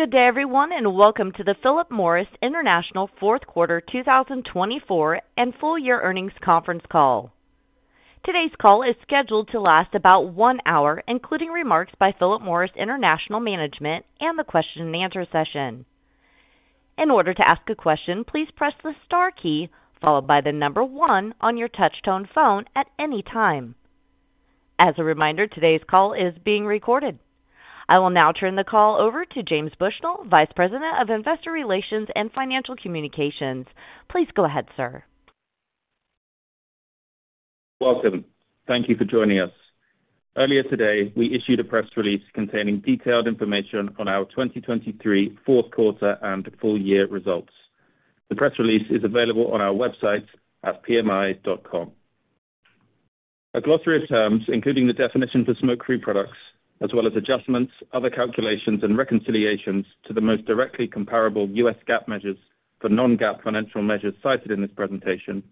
Good day, everyone, and welcome to the Philip Morris International fourth quarter 2024 and full year earnings conference call. Today's call is scheduled to last about one hour, including remarks by Philip Morris International management and the question and answer session. In order to ask a question, please press the star key followed by the number one on your touchtone phone at any time. As a reminder, today's call is being recorded. I will now turn the call over to James Bushnell, Vice President of Investor Relations and Financial Communications. Please go ahead, sir. Welcome. Thank you for joining us. Earlier today, we issued a press release containing detailed information on our 2023 fourth quarter and full year results. The press release is available on our website at pmi.com. A glossary of terms, including the definition for smoke-free products, as well as adjustments, other calculations, and reconciliations to the most directly comparable U.S. GAAP measures for non-GAAP financial measures cited in this presentation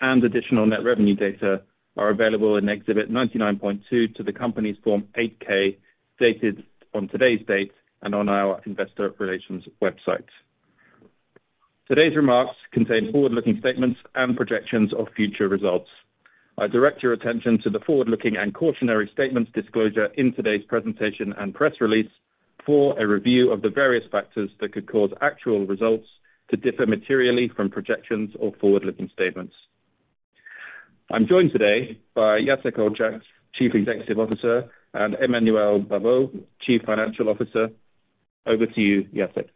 and additional net revenue data are available in Exhibit 99.2 to the company's Form 8-K, dated on today's date and on our investor relations website. Today's remarks contain forward-looking statements and projections of future results. I direct your attention to the forward-looking and cautionary statements disclosure in today's presentation and press release for a review of the various factors that could cause actual results to differ materially from projections or forward-looking statements. I'm joined today by Jacek Olczak, Chief Executive Officer, and Emmanuel Babeau, Chief Financial Officer. Over to you, Jacek.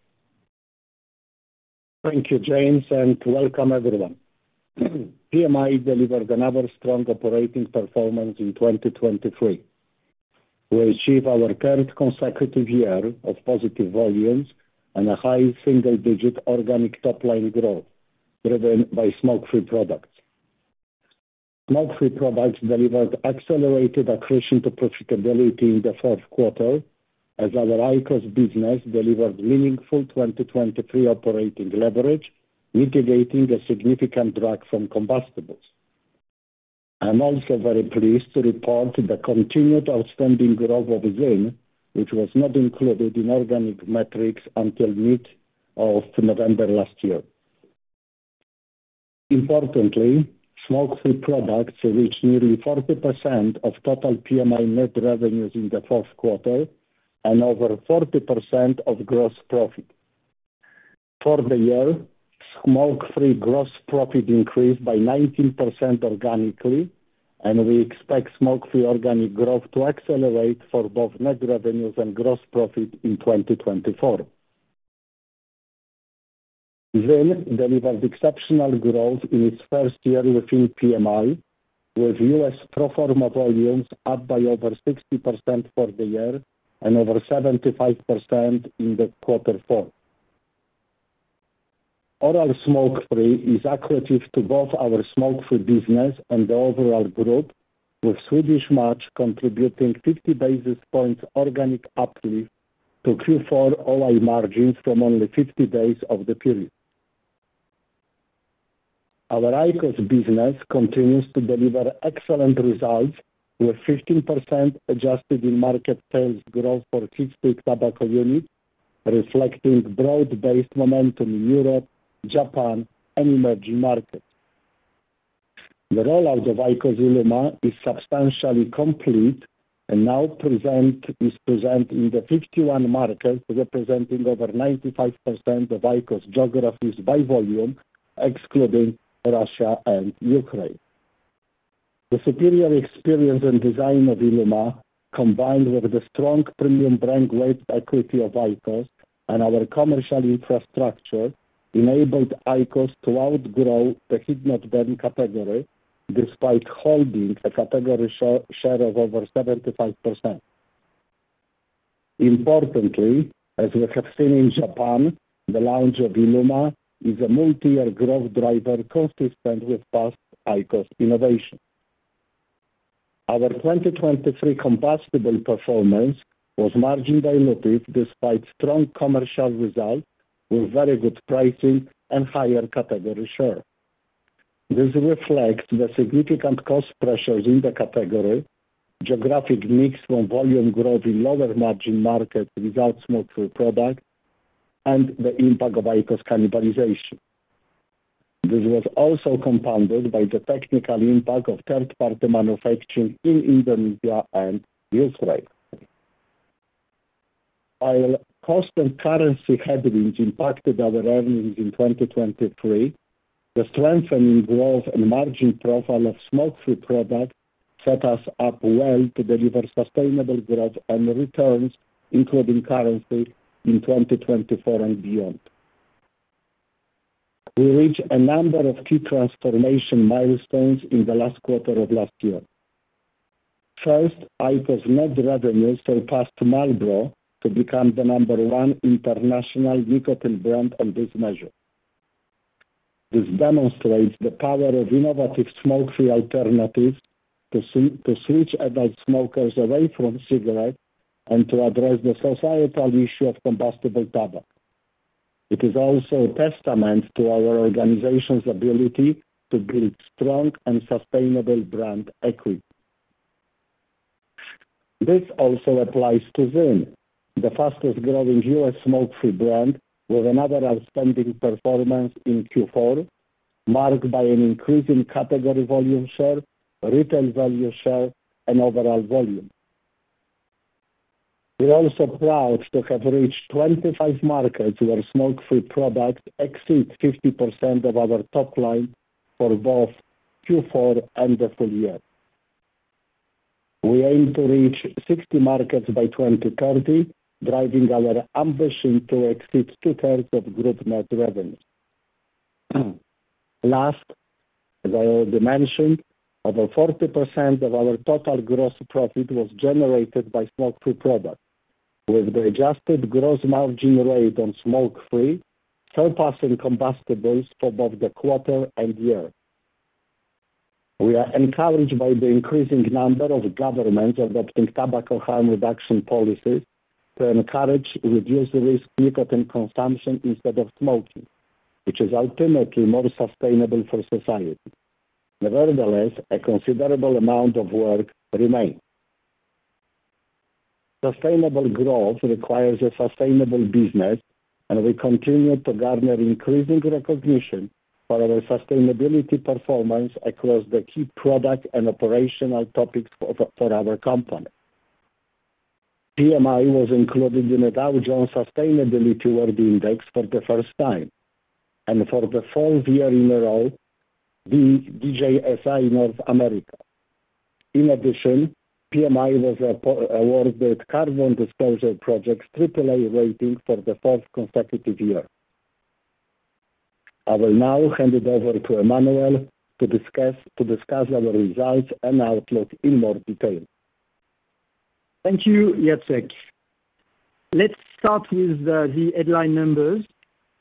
Thank you, James, and welcome everyone. PMI delivered another strong operating performance in 2023. We achieved our third consecutive year of positive volumes and a high single-digit organic top-line growth, driven by smoke-free products. Smoke-free products delivered accelerated accretion to profitability in the fourth quarter as our IQOS business delivered meaningful 2023 operating leverage, mitigating a significant drag from combustibles. I'm also very pleased to report the continued outstanding growth of ZYN, which was not included in organic metrics until mid of November last year. Importantly, smoke-free products reached nearly 40% of total PMI net revenues in the fourth quarter and over 40% of gross profit. For the year, smoke-free gross profit increased by 19% organically, and we expect smoke-free organic growth to accelerate for both net revenues and gross profit in 2024. ZYN delivered exceptional growth in its first year within PMI, with U.S. pro forma volumes up by over 60% for the year and over 75% in quarter four. Oral smoke-free is accretive to both our smoke-free business and the overall group, with Swedish Match contributing 50 basis points organic uplift to Q4 OI margins from only 50 days of the period. Our IQOS business continues to deliver excellent results, with 15% adjusted in-market sales growth for heated tobacco units, reflecting broad-based momentum in Europe, Japan, and emerging markets. The rollout of IQOS ILUMA is substantially complete and now present in the 51 markets, representing over 95% of IQOS' geographies by volume, excluding Russia and Ukraine. The superior experience and design of ILUMA, combined with the strong premium brand weight equity of IQOS and our commercial infrastructure, enabled IQOS to outgrow the heat-not-burn category, despite holding a category share of over 75%. Importantly, as we have seen in Japan, the launch of ILUMA is a multi-year growth driver consistent with past IQOS innovation. Our 2023 combustible performance was margin dilutive, despite strong commercial results with very good pricing and higher category share. This reflects the significant cost pressures in the category, geographic mix from volume growth in lower-margin markets without smoke-free products, and the impact of IQOS cannibalization. This was also compounded by the technical impact of third-party manufacturing in Indonesia and Ukraine. While cost and currency headwinds impacted our earnings in 2023, the strengthening growth and margin profile of smoke-free products set us up well to deliver sustainable growth and returns, including currency, in 2024 and beyond. We reached a number of key transformation milestones in the last quarter of last year. First, IQOS net revenues surpassed Marlboro to become the number one international nicotine brand on this measure. This demonstrates the power of innovative smoke-free alternatives to switch adult smokers away from cigarettes and to address the societal issue of combustible tobacco. It is also a testament to our organization's ability to build strong and sustainable brand equity…. This also applies to ZYN, the fastest growing U.S. smoke-free brand, with another outstanding performance in Q4, marked by an increase in category volume share, retail value share, and overall volume. We're also proud to have reached 25 markets where smoke-free products exceed 50% of our top line for both Q4 and the full year. We aim to reach 60 markets by 2030, driving our ambition to exceed two-thirds of group net revenue. Last, as I already mentioned, over 40% of our total gross profit was generated by smoke-free products, with the adjusted gross margin rate on smoke-free surpassing combustibles for both the quarter and year. We are encouraged by the increasing number of governments adopting tobacco harm reduction policies to encourage reduced-risk nicotine consumption instead of smoking, which is ultimately more sustainable for society. Nevertheless, a considerable amount of work remains. Sustainable growth requires a sustainable business, and we continue to garner increasing recognition for our sustainability performance across the key product and operational topics for our company. PMI was included in the Dow Jones Sustainability World Index for the first time, and for the fourth year in a row, the DJSI North America. In addition, PMI was awarded Carbon Disclosure Project's Triple A rating for the fourth consecutive year. I will now hand it over to Emmanuel to discuss our results and outlook in more detail. Thank you, Jacek. Let's start with the headline numbers.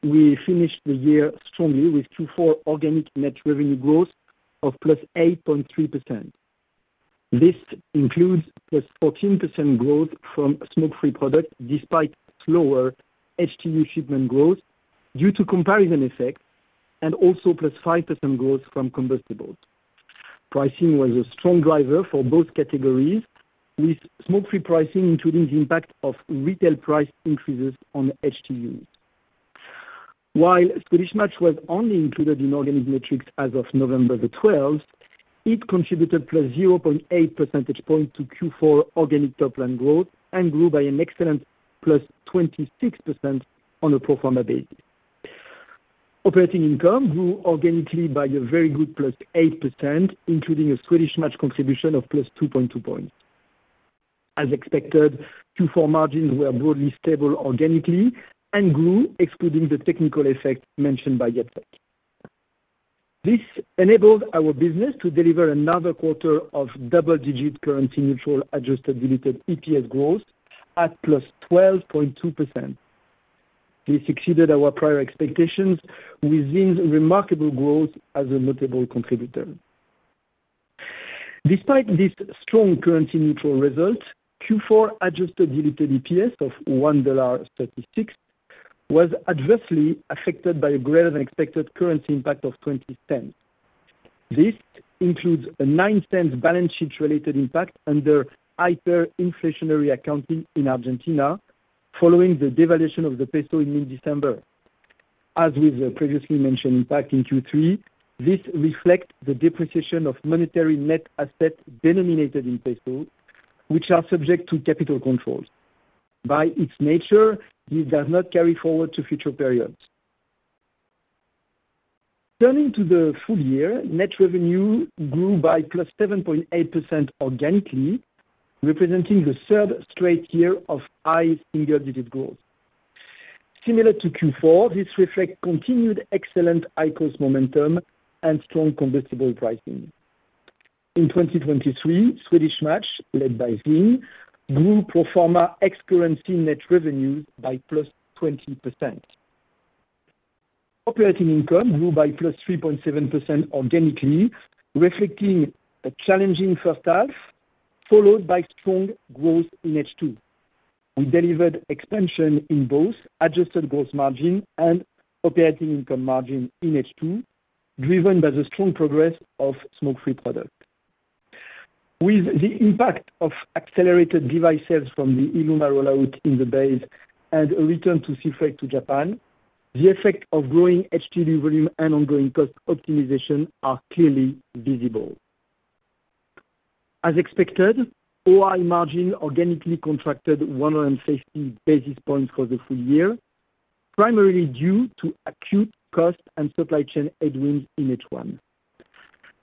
We finished the year strongly with Q4 organic net revenue growth of +8.3%. This includes +14% growth from smoke-free products, despite slower HTU shipment growth due to comparison effects, and also +5% growth from combustibles. Pricing was a strong driver for both categories, with smoke-free pricing including the impact of retail price increases on HTUs. While Swedish Match was only included in organic metrics as of November 12, it contributed +0.8 percentage point to Q4 organic top line growth and grew by an excellent +26% on a pro forma basis. Operating income grew organically by a very good +8%, including a Swedish Match contribution of +2.2 points. As expected, Q4 margins were broadly stable organically and grew, excluding the technical effect mentioned by Jacek. This enabled our business to deliver another quarter of double-digit currency neutral adjusted diluted EPS growth at +12.2%. We succeeded our prior expectations with ZYN's remarkable growth as a notable contributor. Despite this strong currency neutral result, Q4 adjusted diluted EPS of $1.36 was adversely affected by a greater-than-expected currency impact of $0.20. This includes a $0.09 balance sheet-related impact under IFRS inflationary accounting in Argentina, following the devaluation of the peso in mid-December. As with the previously mentioned impact in Q3, this reflects the depreciation of monetary net assets denominated in peso, which are subject to capital controls. By its nature, this does not carry forward to future periods. Turning to the full year, net revenue grew by +7.8% organically, representing the third straight year of high single-digit growth. Similar to Q4, this reflects continued excellent IQOS momentum and strong combustible pricing. In 2023, Swedish Match, led by ZYN, grew pro forma ex currency net revenue by +20%. Operating income grew by +3.7% organically, reflecting a challenging first half, followed by strong growth in H2. We delivered expansion in both adjusted gross margin and operating income margin in H2, driven by the strong progress of smoke-free products. With the impact of accelerated device sales from the ILUMA rollout in the base and a return to sea freight to Japan, the effect of growing HTU volume and ongoing cost optimization are clearly visible. As expected, OI margin organically contracted 150 basis points for the full year, primarily due to acute cost and supply chain headwinds in H1.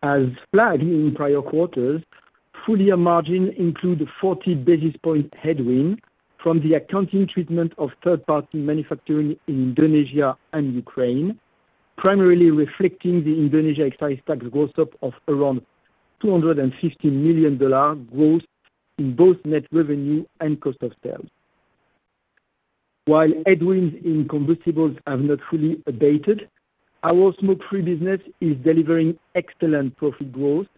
As flagged in prior quarters, full-year margins include a 40 basis point headwind from the accounting treatment of third-party manufacturing in Indonesia and Ukraine, primarily reflecting the Indonesia excise tax gross-up of around $250 million growth in both net revenue and cost of sales. While headwinds in combustibles have not fully abated, our smoke-free business is delivering excellent profit growth,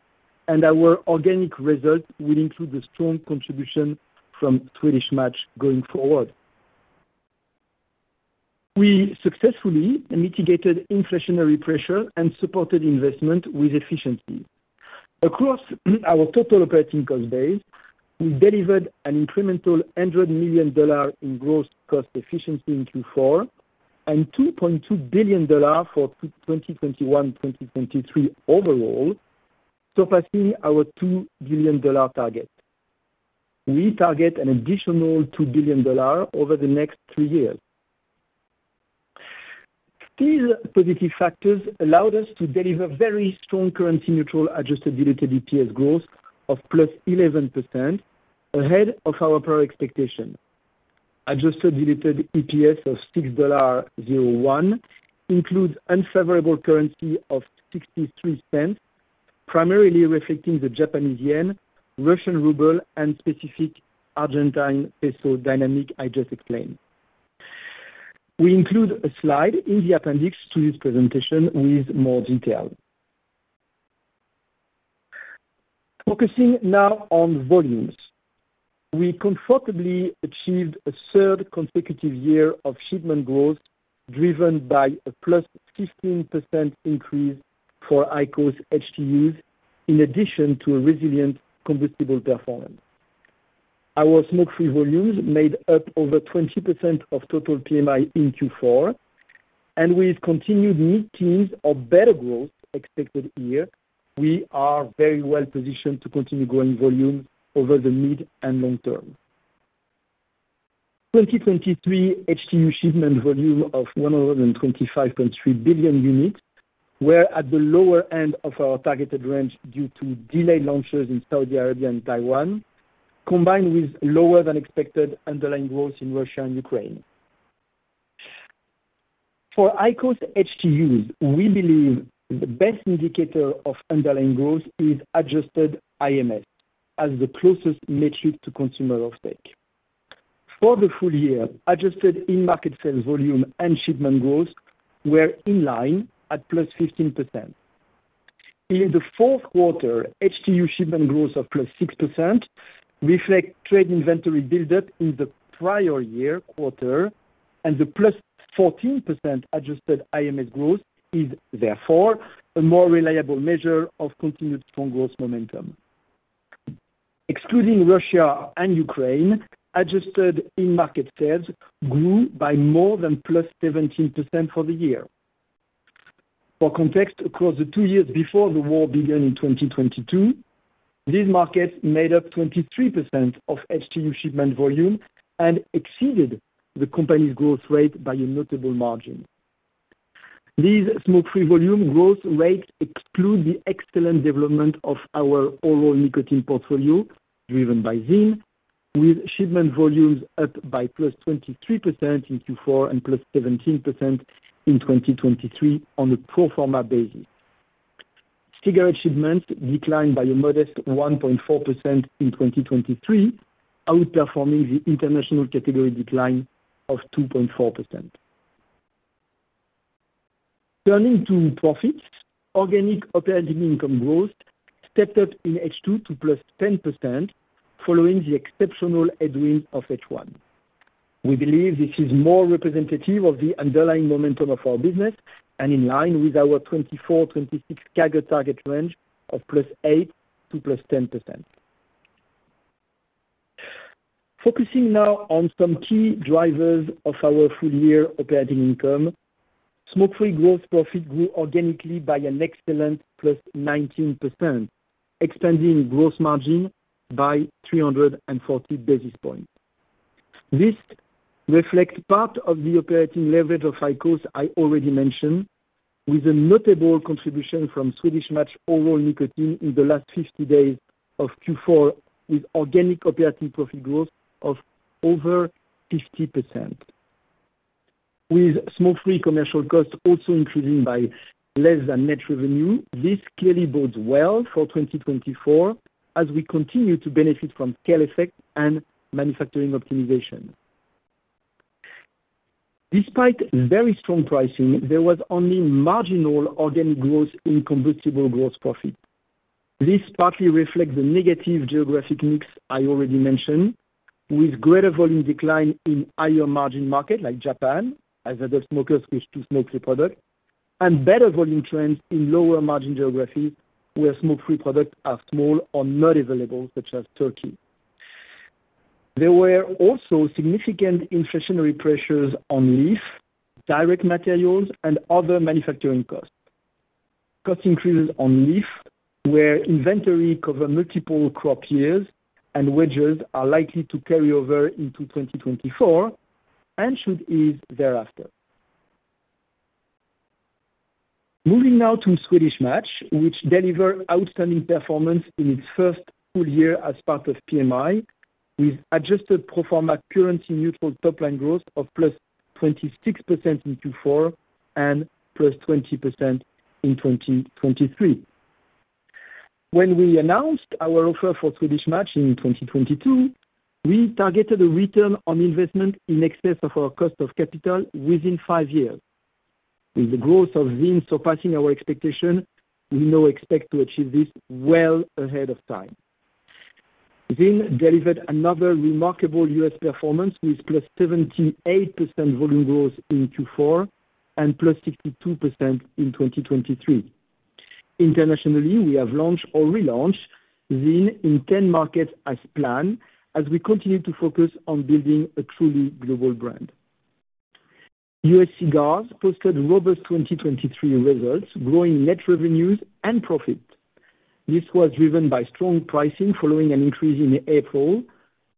and our organic results will include the strong contribution from Swedish Match going forward.... We successfully mitigated inflationary pressure and supported investment with efficiency. Across our total operating cost base, we delivered an incremental $100 million in gross cost efficiency in Q4, and $2.2 billion for 2021-2023 overall, surpassing our $2 billion target. We target an additional $2 billion over the next two years. These positive factors allowed us to deliver very strong currency neutral adjusted diluted EPS growth of +11%, ahead of our prior expectation. Adjusted diluted EPS of $6.01 includes unfavorable currency of $0.63, primarily reflecting the Japanese yen, Russian ruble, and specific Argentine peso dynamic I just explained. We include a slide in the appendix to this presentation with more detail. Focusing now on volumes. We comfortably achieved a third consecutive year of shipment growth, driven by a +15% increase for IQOS HTUs, in addition to a resilient combustible performance. Our smoke-free volumes made up over 20% of total PMI in Q4, and with continued mid-teens or better growth expected here, we are very well positioned to continue growing volume over the mid- and long-term. 2023 HTU shipment volume of 125.3 billion units were at the lower end of our targeted range due to delayed launches in Saudi Arabia and Taiwan, combined with lower than expected underlying growth in Russia and Ukraine. For IQOS HTUs, we believe the best indicator of underlying growth is adjusted IMS, as the closest metric to consumer offtake. For the full year, adjusted in-market sales volume and shipment growth were in line at +15%. In the fourth quarter, HTU shipment growth of +6% reflect trade inventory buildup in the prior year quarter, and the +14% adjusted IMS growth is therefore a more reliable measure of continued strong growth momentum. Excluding Russia and Ukraine, adjusted in-market sales grew by more than +17% for the year. For context, across the two years before the war began in 2022, these markets made up 23% of HTU shipment volume and exceeded the company's growth rate by a notable margin. These smoke-free volume growth rates exclude the excellent development of our oral nicotine portfolio, driven by ZYN, with shipment volumes up by +23% in Q4 and +17% in 2023 on a pro forma basis. Cigarette shipments declined by a modest 1.4% in 2023, outperforming the international category decline of 2.4%. Turning to profits, organic operating income growth stepped up in H2 to +10%, following the exceptional headwind of H1. We believe this is more representative of the underlying momentum of our business and in line with our 2024-2026 CAGR target range of +8% to +10%. Focusing now on some key drivers of our full-year operating income. Smoke-free gross profit grew organically by an excellent +19%, expanding gross margin by 340 basis points. This reflects part of the operating leverage of IQOS, I already mentioned, with a notable contribution from Swedish Match oral nicotine in the last 50 days of Q4, with organic operating profit growth of over 50%. With smoke-free commercial costs also increasing by less than net revenue, this clearly bodes well for 2024 as we continue to benefit from scale effect and manufacturing optimization. Despite very strong pricing, there was only marginal organic growth in combustible gross profit. This partly reflects the negative geographic mix I already mentioned, with greater volume decline in higher margin market like Japan, as adult smokers switch to smoke-free products, and better volume trends in lower margin geographies, where smoke-free products are small or not available, such as Turkey. There were also significant inflationary pressures on leaf, direct materials, and other manufacturing costs. Cost increases on leaf, where inventory cover multiple crop years and wages are likely to carry over into 2024, and should ease thereafter. Moving now to Swedish Match, which delivered outstanding performance in its first full year as part of PMI, with adjusted pro forma currency neutral top line growth of +26% in Q4 and +20% in 2023. When we announced our offer for Swedish Match in 2022, we targeted a return on investment in excess of our cost of capital within five years. With the growth of ZYN surpassing our expectation, we now expect to achieve this well ahead of time... ZYN delivered another remarkable U.S. performance, with +78% volume growth in Q4, and +62% in 2023. Internationally, we have launched or relaunched ZYN in 10 markets as planned, as we continue to focus on building a truly global brand. U.S. cigars posted robust 2023 results, growing net revenues and profit. This was driven by strong pricing following an increase in April,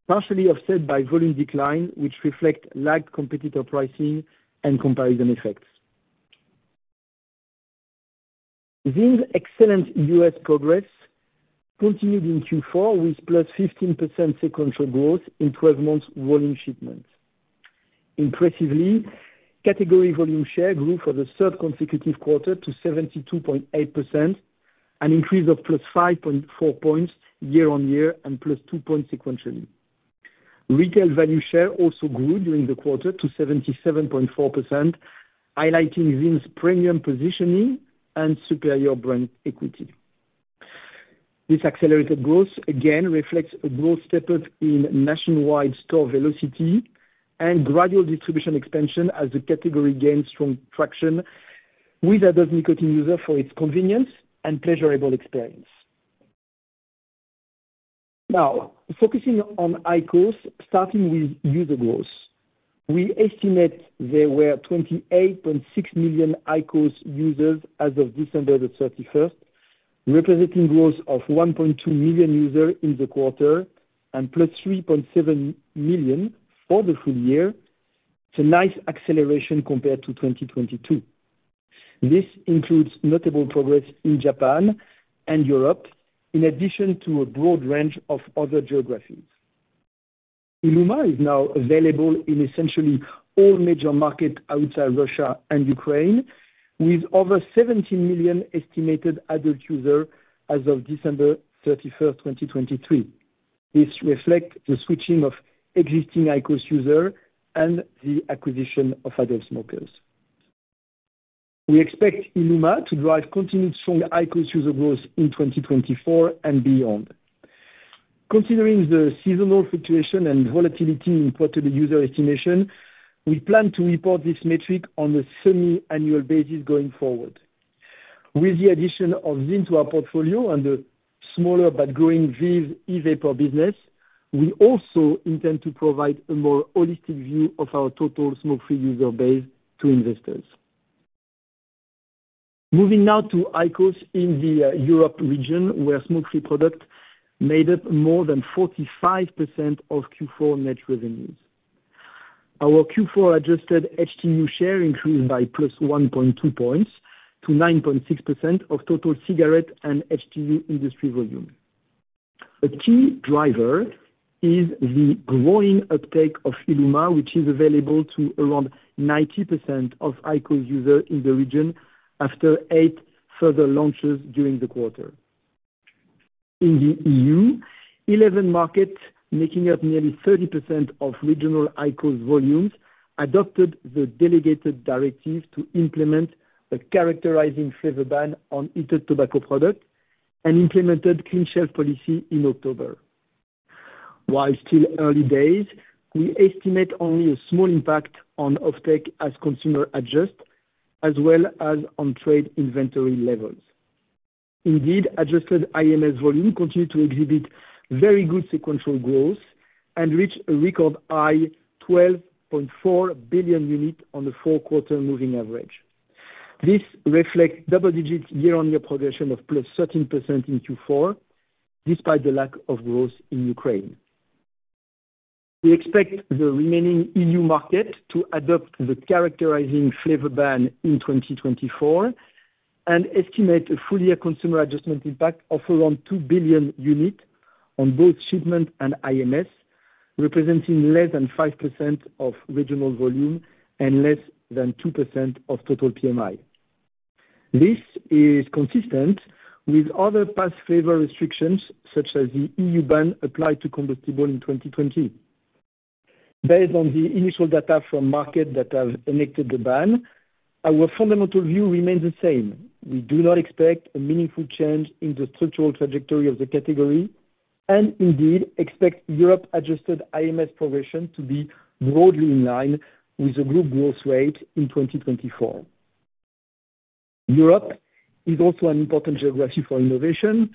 partially offset by volume decline, which reflect lagged competitor pricing and comparison effects. ZYN's excellent U.S. progress continued in Q4, with +15% sequential growth in 12 months volume shipments. Impressively, category volume share grew for the third consecutive quarter to 72.8%, an increase of +5.4 points year-on-year, and +2 points sequentially. Retail value share also grew during the quarter to 77.4%, highlighting ZYN's premium positioning and superior brand equity. This accelerated growth again reflects a growth step up in nationwide store velocity and gradual distribution expansion as the category gains strong traction with adult nicotine user for its convenience and pleasurable experience. Now, focusing on IQOS, starting with user growth. We estimate there were 28.6 million IQOS users as of December 31, representing growth of 1.2 million user in the quarter and plus 3.7 million for the full year. It's a nice acceleration compared to 2022. This includes notable progress in Japan and Europe, in addition to a broad range of other geographies. ILUMA is now available in essentially all major markets outside Russia and Ukraine, with over 70 million estimated adult user as of December 31st, 2023. This reflect the switching of existing IQOS user and the acquisition of adult smokers. We expect ILUMA to drive continued strong IQOS user growth in 2024 and beyond. Considering the seasonal fluctuation and volatility in total user estimation, we plan to report this metric on a semi-annual basis going forward. With the addition of ZYN to our portfolio and the smaller but growing VEEV e-vapor business, we also intend to provide a more holistic view of our total smoke-free user base to investors. Moving now to IQOS in the Europe region, where smoke-free product made up more than 45% of Q4 net revenues. Our Q4 adjusted HTU share increased by +1.2 points to 9.6% of total cigarette and HTU industry volume. A key driver is the growing uptake of ILUMA, which is available to around 90% of IQOS user in the region after eight further launches during the quarter. In the EU, 11 markets, making up nearly 30% of regional IQOS volumes, adopted the delegated directive to implement a characterizing flavor ban on heated tobacco products and implemented clean shelf policy in October. While still early days, we estimate only a small impact on offtake as consumers adjust, as well as on trade inventory levels. Indeed, adjusted IMS volume continued to exhibit very good sequential growth and reached a record high 12.4 billion units on the four-quarter moving average. This reflects double-digit year-on-year progression of +13% in Q4, despite the lack of growth in Ukraine. We expect the remaining EU market to adopt the characterizing flavor ban in 2024 and estimate a full-year consumer adjustment impact of around 2 billion units on both shipments and IMS, representing less than 5% of regional volume and less than 2% of total PMI. This is consistent with other past flavor restrictions, such as the EU ban applied to combustibles in 2020. Based on the initial data from markets that have enacted the ban, our fundamental view remains the same. We do not expect a meaningful change in the structural trajectory of the category and indeed expect Europe adjusted IMS progression to be broadly in line with the group growth rate in 2024. Europe is also an important geography for innovation.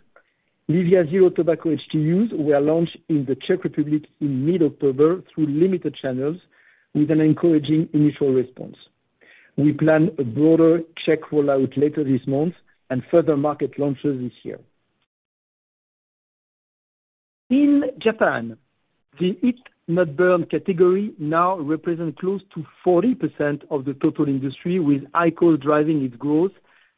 LEVIA zero tobacco HTUs were launched in the Czech Republic in mid-October through limited channels, with an encouraging initial response. We plan a broader Czech rollout later this month and further market launches this year. In Japan, the heat-not-burn category now represent close to 40% of the total industry, with IQOS driving its growth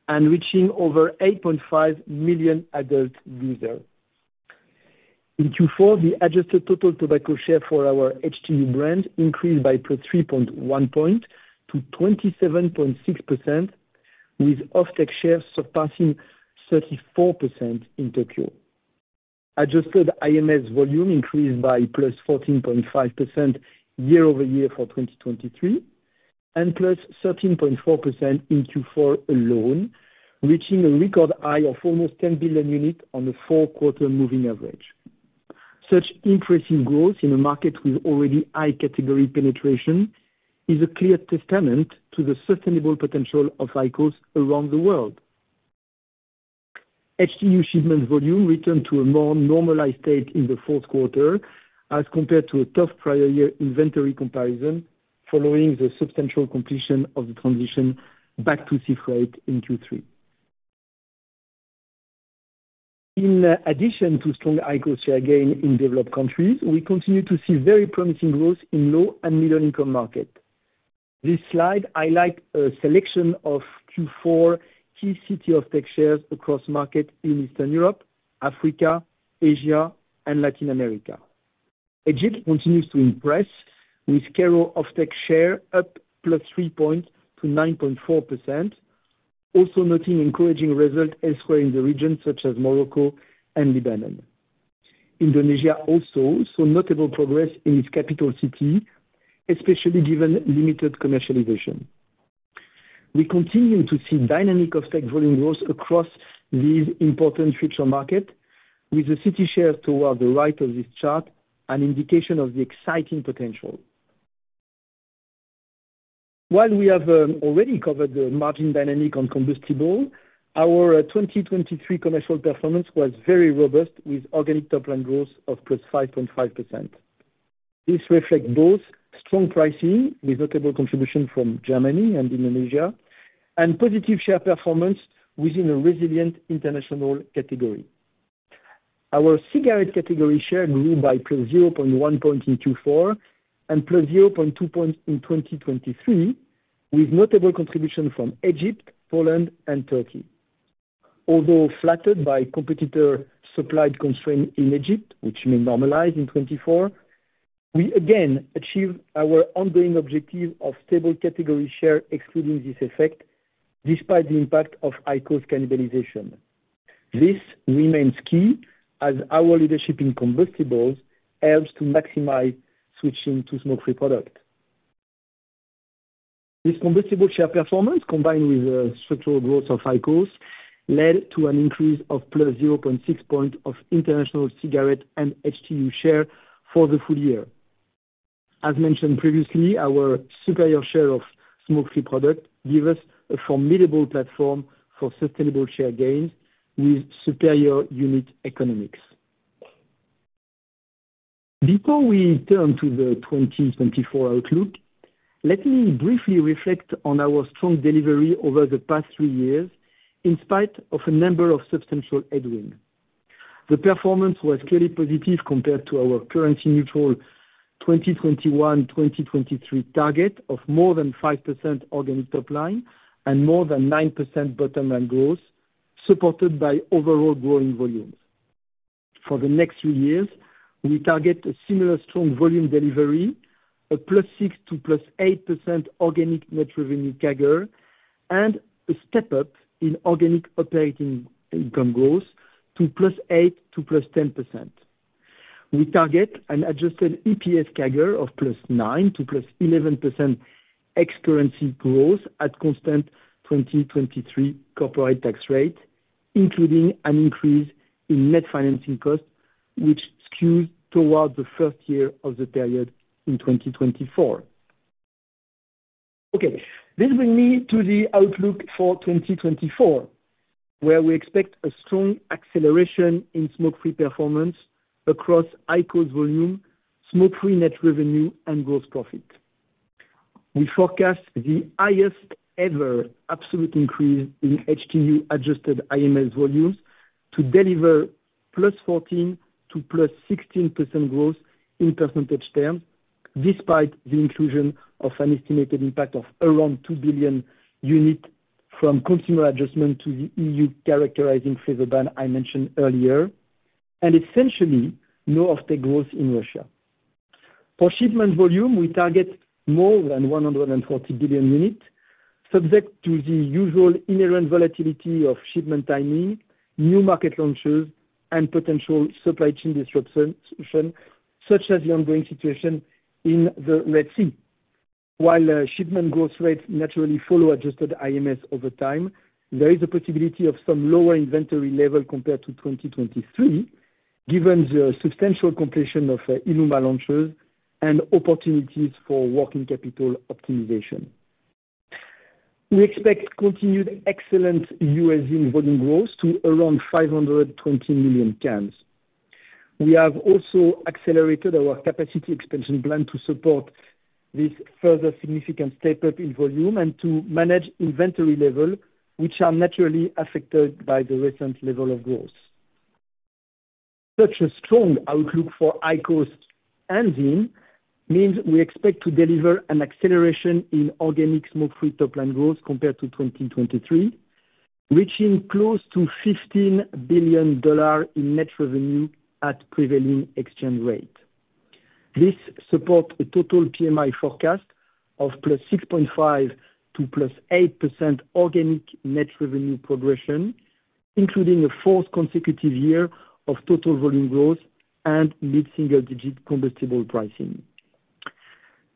and reaching over 8.5 million adult users. In Q4, the adjusted total tobacco share for our HTU brand increased by +3.1 percentage points to 27.6%, with IQOS shares surpassing 34% in Tokyo. Adjusted IMS volume increased by +14.5% year-over-year for 2023 and +13.4% in Q4 alone, reaching a record high of almost 10 billion units on a four-quarter moving average. Such increasing growth in a market with already high category penetration is a clear testament to the sustainable potential of IQOS around the world. HTU shipment volume returned to a more normalized state in the fourth quarter as compared to a tough prior year inventory comparison, following the substantial completion of the transition back to sea freight in Q3. In addition to strong IQOS share gain in developed countries, we continue to see very promising growth in low- and middle-income markets. This slide highlights a selection of Q4 key city IQOS shares across markets in Eastern Europe, Africa, Asia, and Latin America. Egypt continues to impress, with Cairo IQOS share up +3 points to 9.4%. Also noting encouraging results elsewhere in the region, such as Morocco and Lebanon. Indonesia also saw notable progress in its capital city, especially given limited commercialization. We continue to see dynamic IQOS volume growth across these important future markets, with the city shares toward the right of this chart, an indication of the exciting potential. While we have already covered the margin dynamic on combustible, our 2023 commercial performance was very robust, with organic top line growth of +5.5%. This reflects both strong pricing, with notable contribution from Germany and Indonesia, and positive share performance within a resilient international category. Our cigarette category share grew by +0.1 point in Q4 and +0.2 points in 2023, with notable contribution from Egypt, Poland, and Turkey. Although flattered by competitor supply constraints in Egypt, which may normalize in 2024, we again achieved our ongoing objective of stable category share, excluding this effect, despite the impact of IQOS cannibalization. This remains key as our leadership in combustibles helps to maximize switching to smoke-free product. This combustible share performance, combined with structural growth of IQOS, led to an increase of +0.6 points of international cigarette and HTU share for the full year. As mentioned previously, our superior share of smoke-free products give us a formidable platform for sustainable share gains with superior unit economics. Before we turn to the 2024 outlook, let me briefly reflect on our strong delivery over the past three years, in spite of a number of substantial headwinds. The performance was clearly positive compared to our currency neutral 2021-2023 target of more than 5% organic top line and more than 9% bottom line growth, supported by overall growing volumes. For the next few years, we target a similar strong volume delivery, a +6% to +8% organic net revenue CAGR, and a step-up in organic operating income growth to +8% to +10%. We target an adjusted EPS CAGR of +9% to +11% ex-currency growth at constant 2023 corporate tax rate, including an increase in net financing costs, which skews toward the first year of the period in 2024. Okay, this brings me to the outlook for 2024, where we expect a strong acceleration in smoke-free performance across IQOS volume, smoke-free net revenue, and gross profit. We forecast the highest ever absolute increase in HTU adjusted IMS volumes to deliver +14% to +16% growth in percentage terms, despite the inclusion of an estimated impact of around 2 billion units from consumer adjustment to the EU characterizing flavor ban I mentioned earlier, and essentially, no offtake growth in Russia. For shipment volume, we target more than 140 billion units, subject to the usual inherent volatility of shipment timing, new market launches, and potential supply chain disruption, such as the ongoing situation in the Red Sea. While shipment growth rates naturally follow adjusted IMS over time, there is a possibility of some lower inventory level compared to 2023, given the substantial completion of ILUMA launches and opportunities for working capital optimization. We expect continued excellent U.S. ZYN volume growth to around 520 million cans. We have also accelerated our capacity expansion plan to support this further significant step-up in volume and to manage inventory level, which are naturally affected by the recent level of growth. Such a strong outlook for IQOS and VEEV means we expect to deliver an acceleration in organic smoke-free top line growth compared to 2023, reaching close to $15 billion in net revenue at prevailing exchange rate. This supports a total PMI forecast of +6.5% to +8% organic net revenue progression, including a fourth consecutive year of total volume growth and mid-single-digit combustible pricing.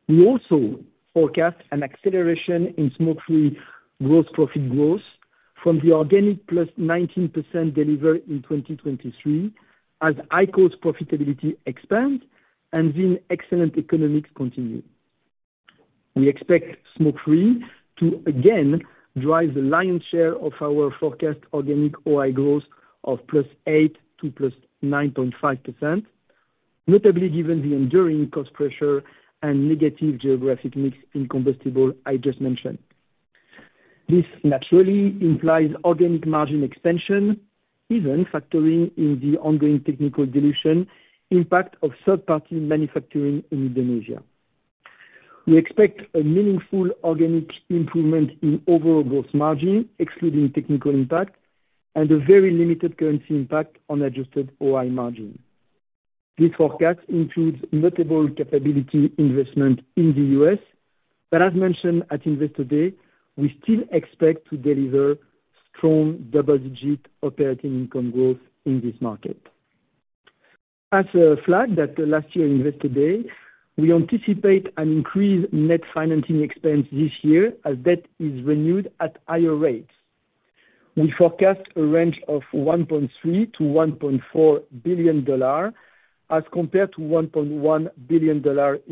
We also forecast an acceleration in smoke-free growth, profit growth from the organic +19% delivered in 2023, as IQOS profitability expands and VEEV's excellent economics continue. We expect smoke-free to again drive the lion's share of our forecast organic OI growth of +8% to +9.5%, notably given the enduring cost pressure and negative geographic mix in combustibles I just mentioned. This naturally implies organic margin expansion, even factoring in the ongoing technical dilution impact of third-party manufacturing in Indonesia. We expect a meaningful organic improvement in overall gross margin, excluding technical impact, and a very limited currency impact on adjusted OI margin. This forecast includes notable capability investment in the U.S., but as mentioned at Investor Day, we still expect to deliver strong double-digit operating income growth in this market. As flagged at last year's Investor Day, we anticipate an increased net financing expense this year as debt is renewed at higher rates. We forecast a range of $1.3 billion-$1.4 billion, as compared to $1.1 billion in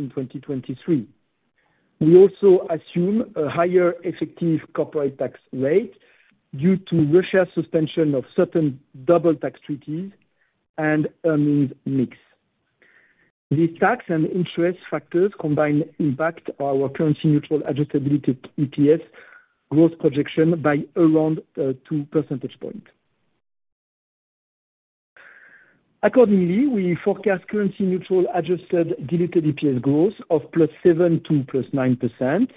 2023. We also assume a higher effective corporate tax rate due to Russia's suspension of certain double tax treaties and earnings mix. These tax and interest factors combined impact our currency neutral adjusted EPS growth projection by around 2 percentage points. Accordingly, we forecast currency neutral adjusted diluted EPS growth of +7% to +9%.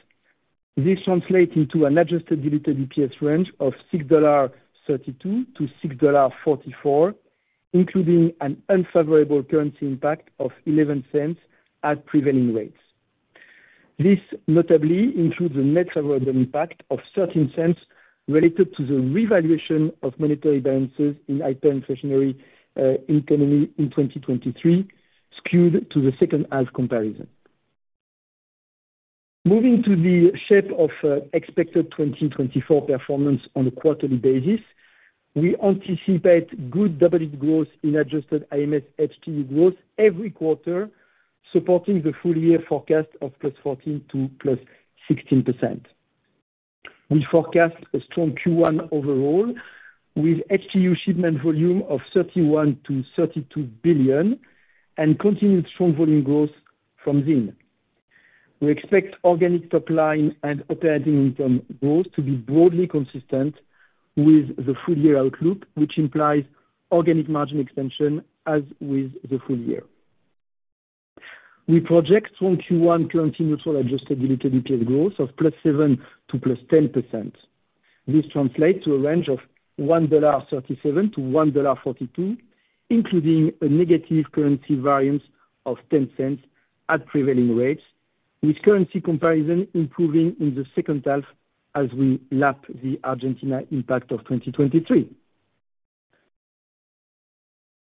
This translates into an adjusted diluted EPS range of $6.32-$6.44, including an unfavorable currency impact of $0.11 at prevailing rates. This notably includes a net favorable impact of $0.13 related to the revaluation of monetary balances in hyperinflationary economy in 2023, skewed to the second half comparison. Moving to the shape of expected 2024 performance on a quarterly basis, we anticipate good double growth in adjusted IMS HTU growth every quarter, supporting the full year forecast of +14% to +16%. We forecast a strong Q1 overall, with HTU shipment volume of 31-32 billion, and continued strong volume growth from then. We expect organic top line and operating income growth to be broadly consistent with the full year outlook, which implies organic margin expansion as with the full year. We project strong Q1 currency neutral adjusted EPS growth of +7% to +10%. This translates to a range of $1.37-$1.42, including a negative currency variance of $0.10 at prevailing rates, with currency comparison improving in the second half as we lap the Argentina impact of 2023.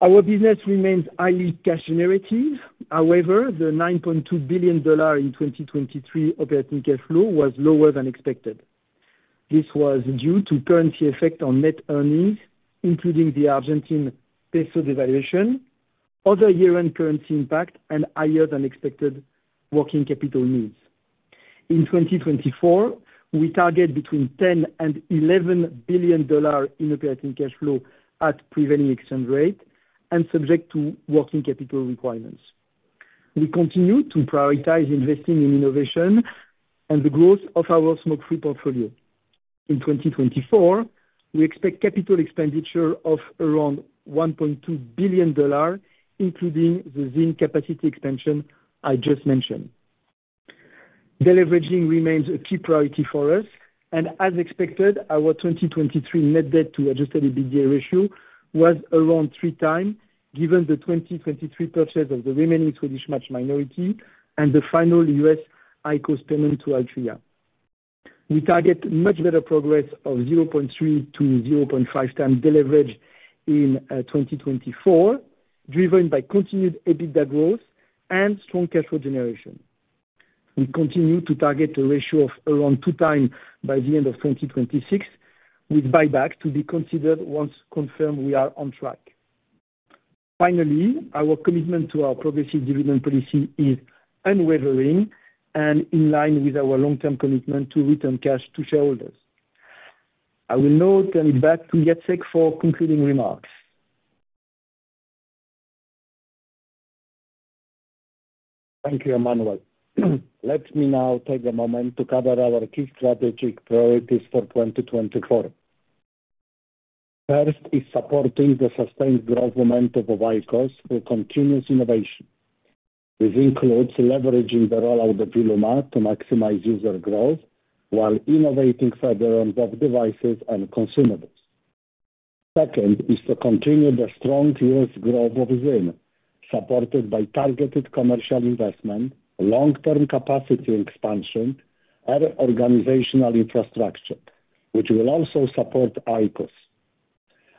Our business remains highly cash generative. However, the $9.2 billion in 2023 operating cash flow was lower than expected. This was due to currency effect on net earnings, including the Argentine peso devaluation, other year-end currency impact, and higher than expected working capital needs. In 2024, we target between $10 billion and $11 billion in operating cash flow at prevailing exchange rate and subject to working capital requirements. We continue to prioritize investing in innovation and the growth of our smoke-free portfolio. In 2024, we expect capital expenditure of around $1.2 billion, including the ZYN capacity expansion I just mentioned. Deleveraging remains a key priority for us, and as expected, our 2023 net debt to adjusted EBITDA ratio was around 3x, given the 2023 purchase of the remaining Swedish Match minority and the final U.S. IQOS payment to Altria. We target much better progress of 0.3x-0.5x deleverage in 2024, driven by continued EBITDA growth and strong cash flow generation. We continue to target a ratio of around 2x by the end of 2026, with buybacks to be considered once confirmed we are on track. Finally, our commitment to our progressive dividend policy is unwavering and in line with our long-term commitment to return cash to shareholders. I will now turn it back to Jacek for concluding remarks. Thank you, Emmanuel. Let me now take a moment to cover our key strategic priorities for 2024. First, is supporting the sustained growth momentum of IQOS through continuous innovation. This includes leveraging the rollout of ILUMA to maximize user growth while innovating further on both devices and consumables. Second, is to continue the strong U.S. growth of ZYN supported by targeted commercial investment, long-term capacity expansion, and organizational infrastructure, which will also support IQOS.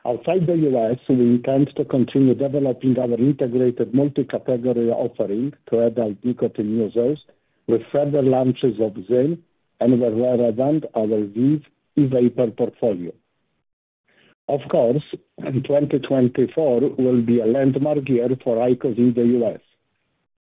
Outside the U.S., we intend to continue developing our integrated multi-category offering to adult nicotine users with further launches of ZYN and, where relevant, our VEEV e-vapor portfolio. Of course, in 2024 will be a landmark year for IQOS in the U.S.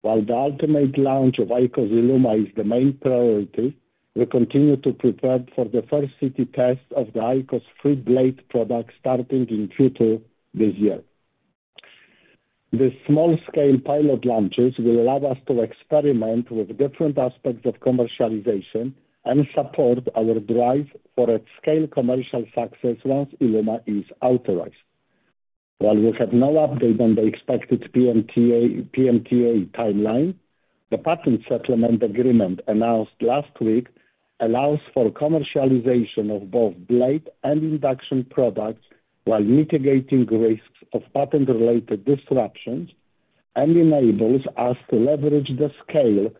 While the ultimate launch of IQOS ILUMA is the main priority, we continue to prepare for the first city test of the IQOS 3 Blade product starting in Q2 this year. The small-scale pilot launches will allow us to experiment with different aspects of commercialization and support our drive for a scale commercial success once ILUMA is authorized. While we have no update on the expected PMTA timeline, the patent settlement agreement announced last week allows for commercialization of both Blade and induction products while mitigating risks of patent-related disruptions and enables us to leverage the scale,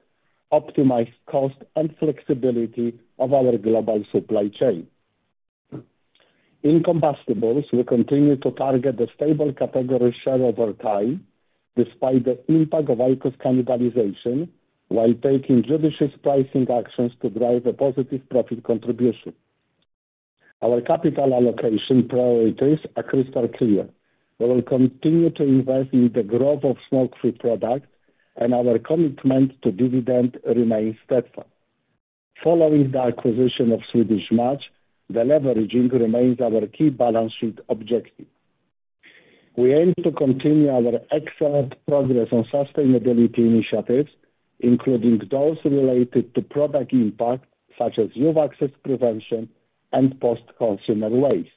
optimize cost, and flexibility of our global supply chain. In combustibles, we continue to target the stable category share over time, despite the impact of IQOS cannibalization, while taking judicious pricing actions to drive a positive profit contribution. Our capital allocation priorities are crystal clear. We will continue to invest in the growth of smoke-free products, and our commitment to dividend remains steadfast. Following the acquisition of Swedish Match, the leveraging remains our key balance sheet objective. We aim to continue our excellent progress on sustainability initiatives, including those related to product impact, such as youth access prevention and post-consumer waste.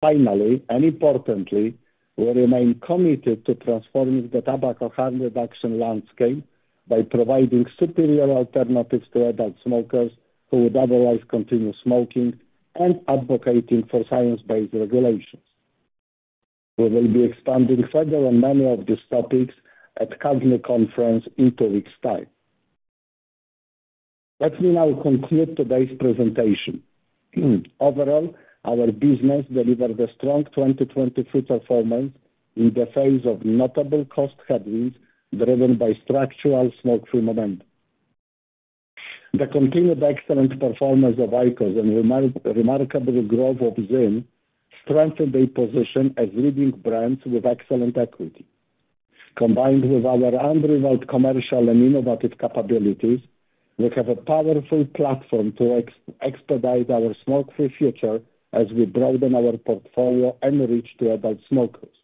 Finally, and importantly, we remain committed to transforming the tobacco harm reduction landscape by providing superior alternatives to adult smokers who would otherwise continue smoking and advocating for science-based regulations. We will be expanding further on many of these topics at the CAGNY Conference in two weeks' time. Let me now conclude today's presentation. Overall, our business delivered a strong 2023 performance in the face of notable cost headwinds, driven by structural smoke-free momentum. The continued excellent performance of IQOS and remarkable growth of ZYN strengthened their position as leading brands with excellent equity. Combined with our unrivaled commercial and innovative capabilities, we have a powerful platform to expedite our smoke-free future as we broaden our portfolio and reach to adult smokers.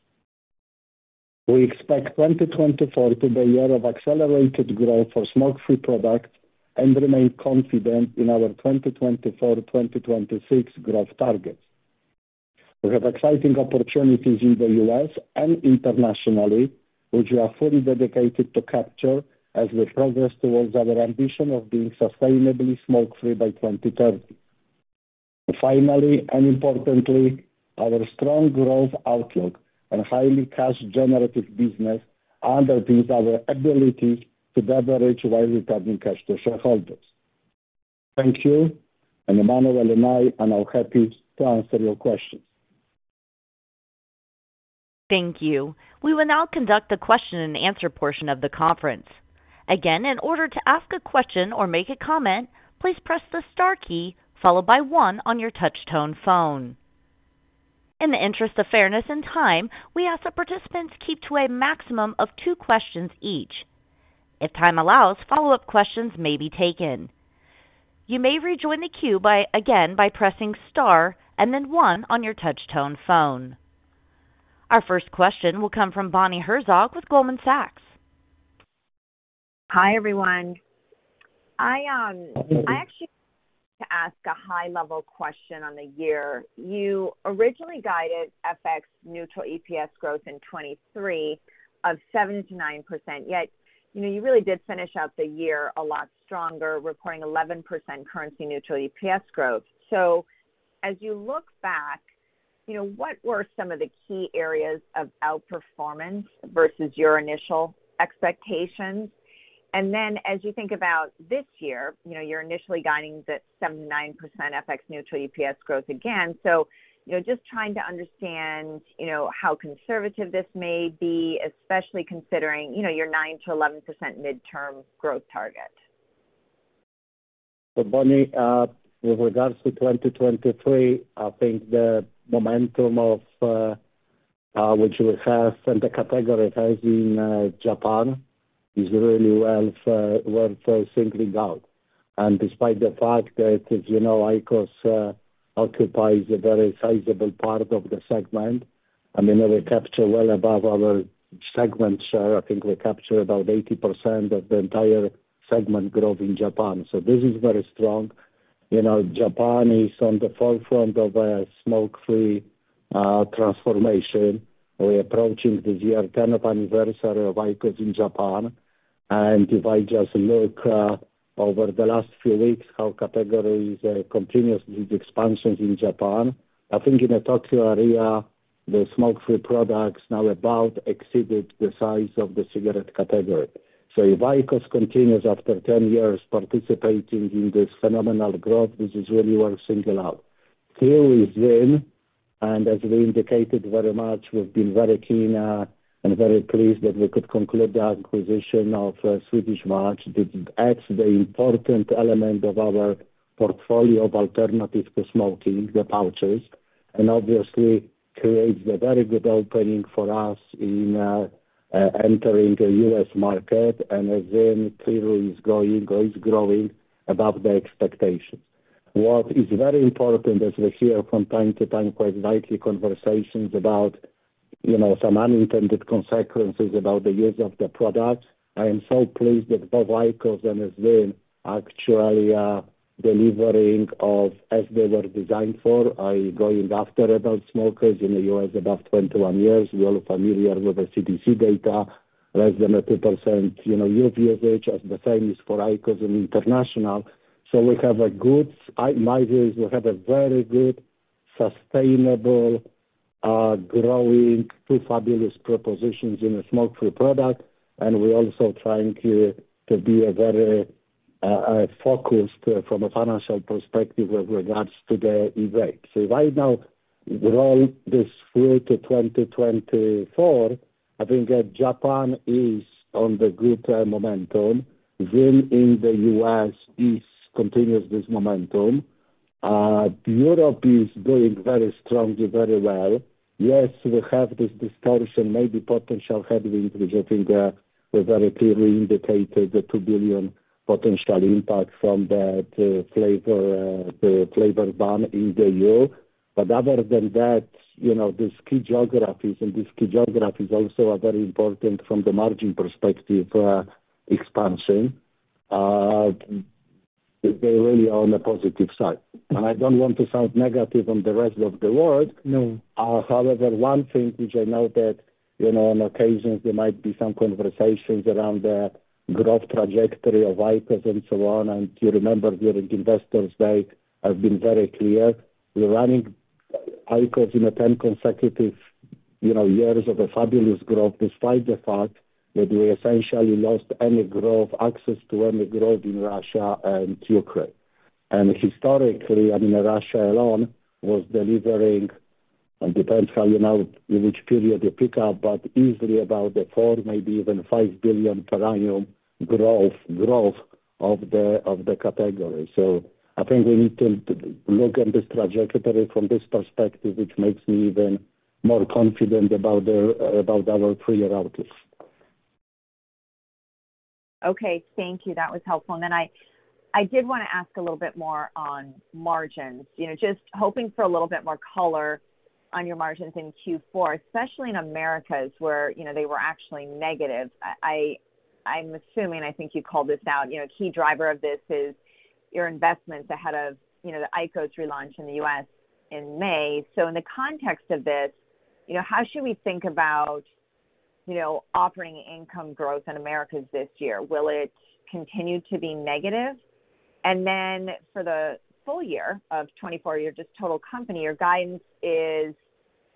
We expect 2024 to be a year of accelerated growth for smoke-free products and remain confident in our 2024-2026 growth targets. We have exciting opportunities in the U.S. and internationally, which we are fully dedicated to capture as we progress towards our ambition of being sustainably smoke-free by 2030. Finally, and importantly, our strong growth outlook and highly cash-generative business underpins our ability to leverage while returning cash to shareholders. Thank you, and Emmanuel and I are now happy to answer your questions. Thank you. We will now conduct the question-and-answer portion of the conference. Again, in order to ask a question or make a comment, please press the star key followed by one on your touchtone phone. In the interest of fairness and time, we ask that participants keep to a maximum of two questions each. If time allows, follow-up questions may be taken. You may rejoin the queue by, again, by pressing star and then one on your touchtone phone. Our first question will come from Bonnie Herzog with Goldman Sachs. Hi, everyone. I, I actually to ask a high-level question on the year. You originally guided FX neutral EPS growth in 2023 of 7%-9%, yet, you know, you really did finish out the year a lot stronger, reporting 11% currency neutral EPS growth. So as you look back, you know, what were some of the key areas of outperformance versus your initial expectations? And then, as you think about this year, you know, you're initially guiding the 7%-9% FX neutral EPS growth again. So, you know, just trying to understand, you know, how conservative this may be, especially considering, you know, your 9%-11% midterm growth target. So Bonnie, with regards to 2023, I think the momentum of which we have and the category growth in Japan is really well worth singling out. And despite the fact that, as you know, IQOS occupies a very sizable part of the segment, I mean, we capture well above our segment share. I think we capture about 80% of the entire segment growth in Japan. So this is very strong. You know, Japan is on the forefront of a smoke-free transformation. We're approaching the 10-year anniversary of IQOS in Japan. And if I just look over the last few weeks, how categories continuously expansions in Japan, I think in the Tokyo area, the smoke-free products now about exceeded the size of the cigarette category. So if IQOS continues after 10 years participating in this phenomenal growth, this is really worth single out. Three is ZYN, and as we indicated very much, we've been very keen, and very pleased that we could conclude the acquisition of Swedish Match. This adds the important element of our portfolio of alternative to smoking, the pouches, and obviously creates a very good opening for us in entering the U.S. market, and as ZYN clearly is going, is growing above the expectations. What is very important, as we hear from time to time, quite lively conversations about, you know, some unintended consequences about the use of the product. I am so pleased that both IQOS and ZYN actually are delivering of, as they were designed for, are going after adult smokers in the U.S. above 21 years. We're all familiar with the CDC data, less than 2%, you know, youth usage, as the same is for IQOS internationally. So we have a good, I, in my view, we have a very good, sustainable, growing two fabulous propositions in a smoke-free product, and we're also trying to, to be a very, focused from a financial perspective with regards to the rate. So right now, roll this through to 2024, I think that Japan is on the good momentum. ZYN in the U.S. is continuing this momentum. Europe is doing very strongly, very well. Yes, we have this distortion, maybe potential headwinds, which I think, we very clearly indicated the $2 billion potential impact from the, the flavor, the flavor ban in the EU. Other than that, you know, these key geographies and these key geographies also are very important from the margin perspective, expansion. They really are on the positive side. I don't want to sound negative on the rest of the world. No. However, one thing which I know that, you know, on occasions there might be some conversations around the growth trajectory of IQOS and so on, and you remember during Investor Day, I've been very clear. We're running IQOS in 10 consecutive, you know, years of a fabulous growth, despite the fact that we essentially lost any growth, access to any growth in Russia and Ukraine. And historically, I mean, Russia alone was delivering, it depends how, you know, which period you pick up, but easily about the 4, maybe even 5 billion per annum growth, growth of the, of the category. So I think we need to, to look at this trajectory from this perspective, which makes me even more confident about the, about our 3-year outlook. Okay, thank you. That was helpful. And then I did wanna ask a little bit more on margins. You know, just hoping for a little bit more color on your margins in Q4, especially in Americas, where, you know, they were actually negative. I'm assuming, I think you called this out, you know, a key driver of this is your investments ahead of, you know, the IQOS relaunch in the U.S. in May. So in the context of this, you know, how should we think about, you know, operating income growth in Americas this year? Will it continue to be negative? And then for the full year of 2024, your just total company, your guidance is,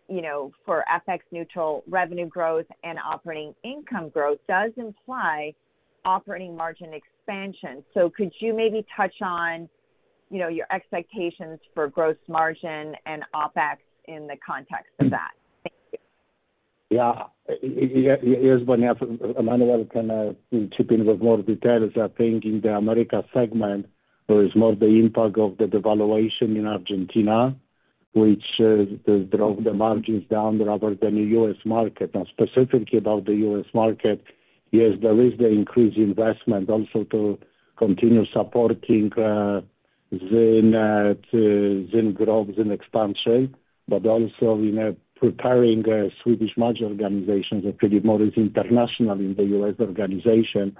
you know, for FX neutral revenue growth and operating income growth does imply operating margin expansion. Could you maybe touch on, you know, your expectations for gross margin and OpEx in the context of that? Thank you. Yeah. Yeah, here's what Emmanuel can chip in with more details. I think in the America segment, there is more the impact of the devaluation in Argentina, which drove the margins down rather than the U.S. market. Now, specifically about the U.S. market, yes, there is the increased investment also to continue supporting VEEV growth and expansion, but also in preparing the Swedish Match organization, and Philip Morris International in the U.S. organization,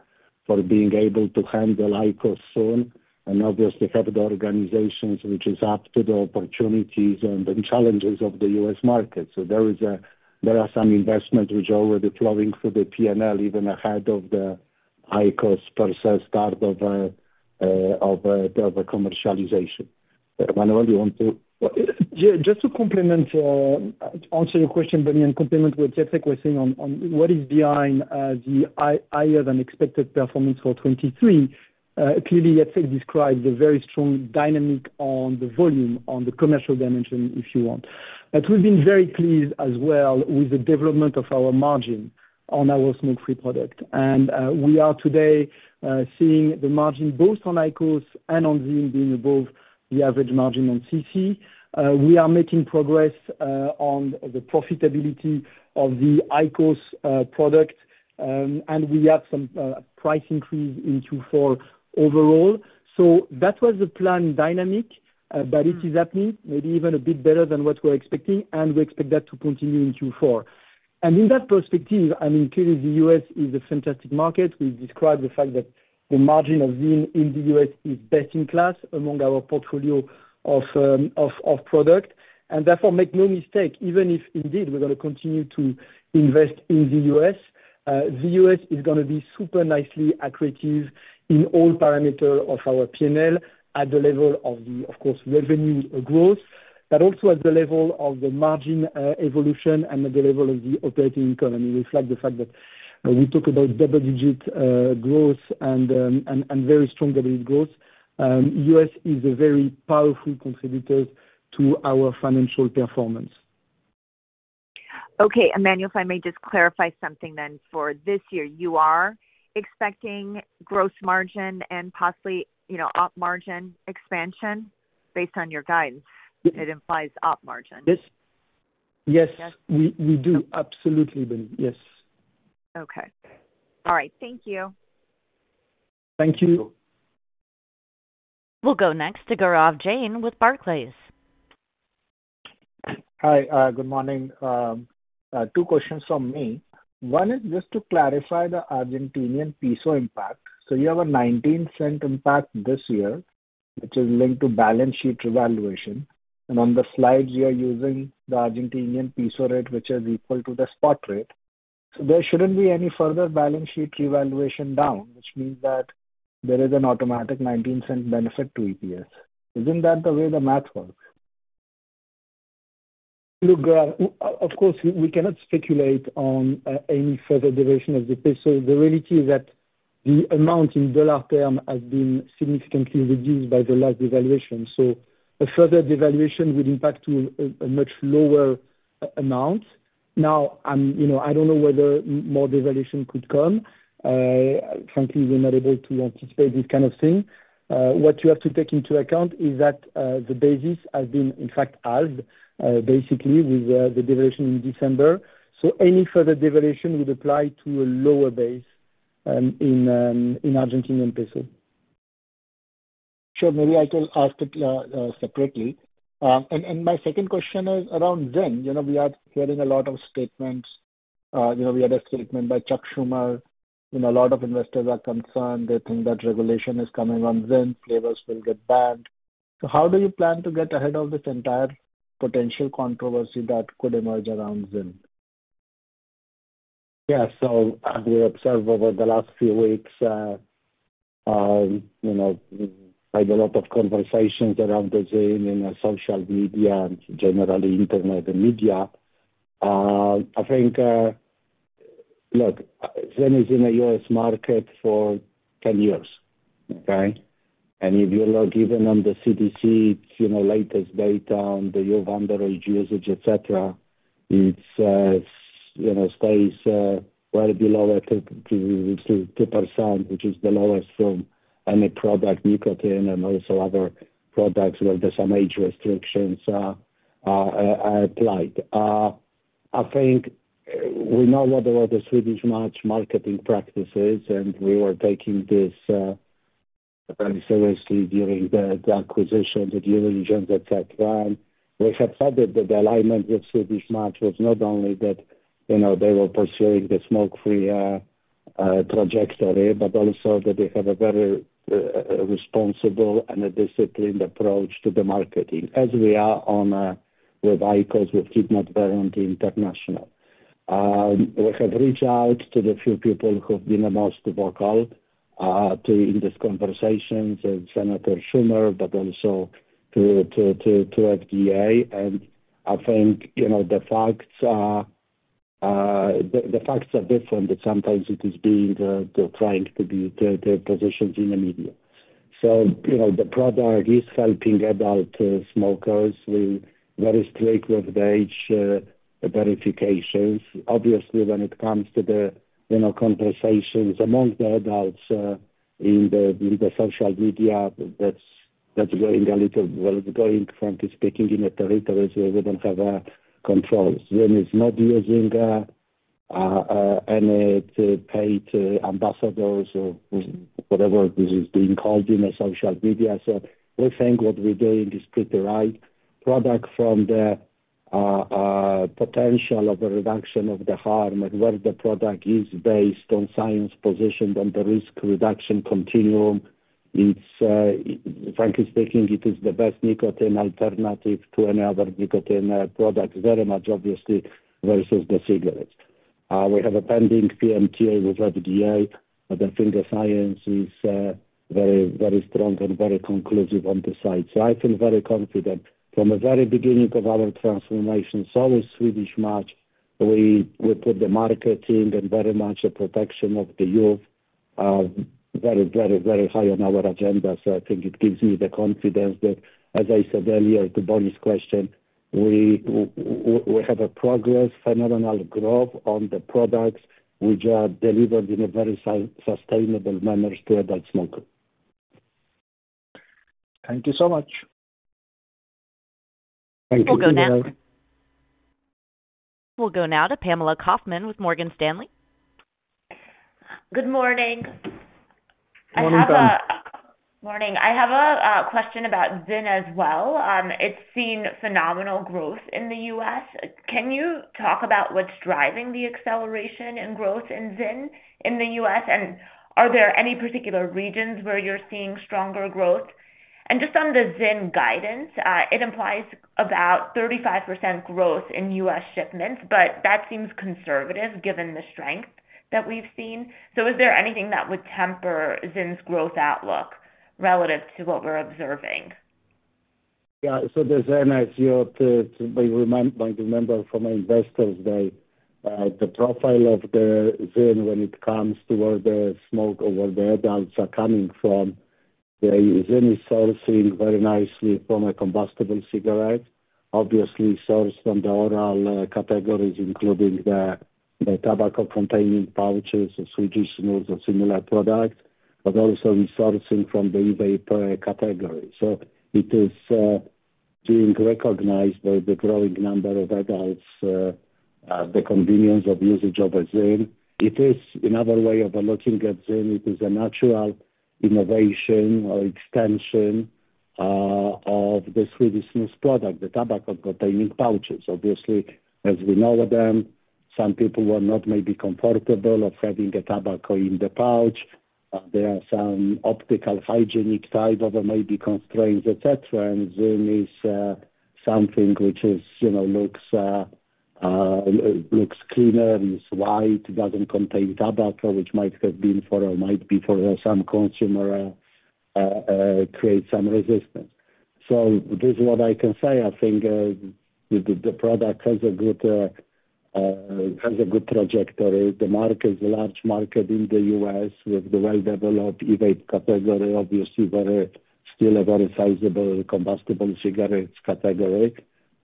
for being able to handle IQOS soon, and obviously have the organization which is up to the opportunities and the challenges of the U.S. market. So there is a, there are some investments which are already flowing through the P&L, even ahead of the IQOS process start of a commercialization. Emmanuel, you want to? Yeah, just to complement answer your question, Bonnie, and complement what Jacek was saying on what is behind the higher than expected performance for 2023. Clearly, Jacek described the very strong dynamic on the volume, on the commercial dimension, if you want. But we've been very pleased as well with the development of our margin on our smoke-free product. We are today seeing the margin both on IQOS and on VEEV being above the average margin on CC. We are making progress on the profitability of the IQOS product, and we have some price increase in Q4 overall. So that was the plan dynamic, but it is happening maybe even a bit better than what we're expecting, and we expect that to continue in Q4. In that perspective, I mean, clearly the U.S. is a fantastic market. We've described the fact that the margin of ZYN in the U.S. is best in class among our portfolio of product. And therefore, make no mistake, even if indeed we're gonna continue to invest in the U.S., the U.S. is gonna be super nicely accretive in all parameter of our P&L at the level of, of course, revenue growth, but also at the level of the margin evolution and at the level of the operating income. I mean, reflect the fact that we talk about double-digit growth and very strong double-digit growth. U.S. is a very powerful contributor to our financial performance. Okay, Emmanuel, if I may just clarify something then. For this year, you are expecting gross margin and possibly, you know, op margin expansion based on your guidance? It implies op margin. Yes. Yes, we do. Absolutely, Bonnie. Yes. Okay. All right, thank you. Thank you. We'll go next to Gaurav Jain with Barclays. Hi, good morning. Two questions from me. One is just to clarify the Argentine peso impact. So you have a $0.19 impact this year, which is linked to balance sheet revaluation. On the slides, you are using the Argentine peso rate, which is equal to the spot rate. So there shouldn't be any further balance sheet revaluation down, which means that there is an automatic $0.19 benefit to EPS. Isn't that the way the math works? Look, of course, we cannot speculate on any further deviation of the peso. The reality is that the amount in dollar term has been significantly reduced by the last devaluation. So a further devaluation would impact to a much lower amount. Now, you know, I don't know whether more devaluation could come. Frankly, we're not able to anticipate this kind of thing. What you have to take into account is that the basis has been, in fact, halved, basically with the devaluation in December. So any further devaluation would apply to a lower base, in Argentinian peso. Sure. Maybe I can ask it separately. And my second question is around ZYN. You know, we are hearing a lot of statements, you know, we had a statement by Chuck Schumer. You know, a lot of investors are concerned. They think that regulation is coming on ZYN, flavors will get banned. So how do you plan to get ahead of this entire potential controversy that could emerge around ZYN? Yeah. So as we observed over the last few weeks, you know, had a lot of conversations around the ZYN in the social media and generally internet and media. I think, look, ZYN is in the U.S. market for 10 years, okay? And if you look even on the CDC, it's, you know, latest data on the youth underage usage, et cetera, it's, you know, stays well below at 2.2%, which is the lowest from any product, nicotine and also other products where there's some age restrictions applied. I think we know about the Swedish Match marketing practices, and we were taking this very seriously during the acquisition, the due diligence, et cetera. We have said that the alignment with Swedish Match was not only that, you know, they were pursuing the smoke-free trajectory, but also that they have a very responsible and a disciplined approach to the marketing, as we are on with IQOS with Philip Morris International. We have reached out to the few people who've been the most vocal to in this conversation, so Senator Schumer, but also to FDA. I think, you know, the facts are, the facts are different, but sometimes it is being trying to be the positions in the media. So, you know, the product is helping adult smokers. We very strict with the age verifications. Obviously, when it comes to the, you know, conversations among the adults in the social media, that's going a little, well, going frankly speaking in a territory where we don't have controls. ZYN is not using any paid ambassadors or whatever this is being called in the social media. So we think what we're doing is pretty right. Product from the potential of a reduction of the harm and where the product is based on science positioned on the risk reduction continuum, it's frankly speaking, it is the best nicotine alternative to any other nicotine product, very much obviously, versus the cigarettes. We have a pending PMTA with FDA, but I think the science is very, very strong and very conclusive on the side. So I feel very confident. From the very beginning of our transformation, so is Swedish Match, we put the marketing and very much the protection of the youth very, very, very high on our agenda. So I think it gives me the confidence that, as I said earlier, to Bonnie's question, we have a progress, phenomenal growth on the products which are delivered in a very sustainable manner to adult smoker. Thank you so much. Thank you. We'll go now to Pamela Kaufman with Morgan Stanley. Good morning. Good morning. I have a question about ZYN as well. It's seen phenomenal growth in the U.S. Can you talk about what's driving the acceleration and growth in ZYN in the U.S., and are there any particular regions where you're seeing stronger growth? And just on the ZYN guidance, it implies about 35% growth in U.S. shipments, but that seems conservative given the strength that we've seen. So is there anything that would temper ZYN's growth outlook relative to what we're observing? Yeah, so the ZYN as you to, to remind, might remember from our Investors Day, the profile of the ZYN when it comes to where the smokers or where the adults are coming from, the ZYN is sourcing very nicely from a combustible cigarette. Obviously, sourced from the oral categories, including the tobacco-containing pouches, the Swedish snus or similar products, but also in sourcing from the e-vapor category. So it is, being recognized by the growing number of adults, the convenience of usage of ZYN. It is another way of looking at ZYN. It is a natural innovation or extension of the Swedish snus product, the tobacco-containing pouches. Obviously, as we know them, some people were not maybe comfortable of having a tobacco in the pouch. There are some optical, hygienic type of maybe constraints, et cetera. ZYN is something which is, you know, looks cleaner, is white, doesn't contain tobacco, which might have been for or might be for some consumer create some resistance. So this is what I can say: I think the product has a good trajectory. The market is a large market in the U.S. with the well-developed e-vape category, obviously, but still a very sizable combustible cigarettes category,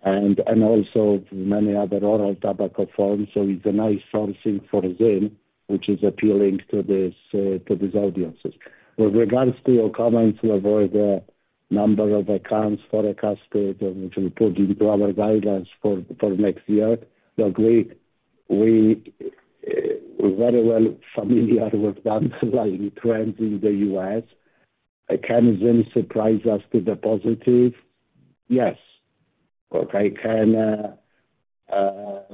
and also many other oral tobacco forms. So it's a nice sourcing for ZYN, which is appealing to these audiences. With regards to your comments about the number of accounts forecasted and which we put into our guidance for next year, look, we're very well familiar with the growing trends in the U.S. Can ZYN surprise us to the positive? Yes. Look, I can,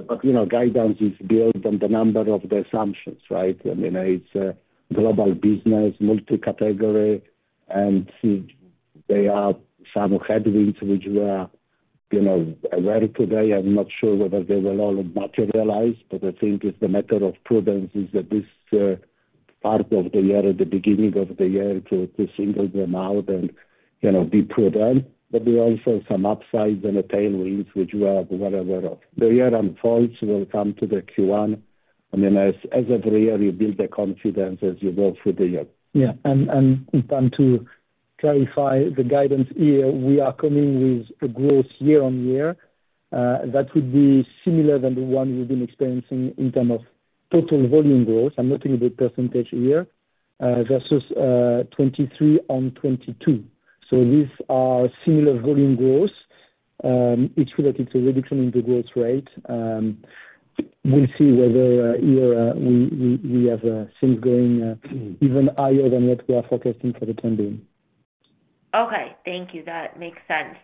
but, you know, guidance is built on the number of the assumptions, right? I mean, it's a global business, multi-category, and see there are some headwinds which we are, you know, aware today. I'm not sure whether they will all materialize, but I think it's the matter of prudence is that this, part of the year, the beginning of the year, to single them out and, you know, be prudent. But there are also some upsides and a tailwinds, which we are well aware of. The year unfolds, we'll come to the Q1, and then as every year, you build the confidence as you go through the year. Yeah, and in time to clarify the guidance year, we are coming with a growth year on year, that would be similar than the one we've been experiencing in terms of total volume growth. I'm not giving the percentage here, versus 2023 on 2022. So these are similar volume growth, which reflects a reduction in the growth rate. We'll see whether year we have things going even higher than what we are forecasting for the time being. Okay. Thank you. That makes sense.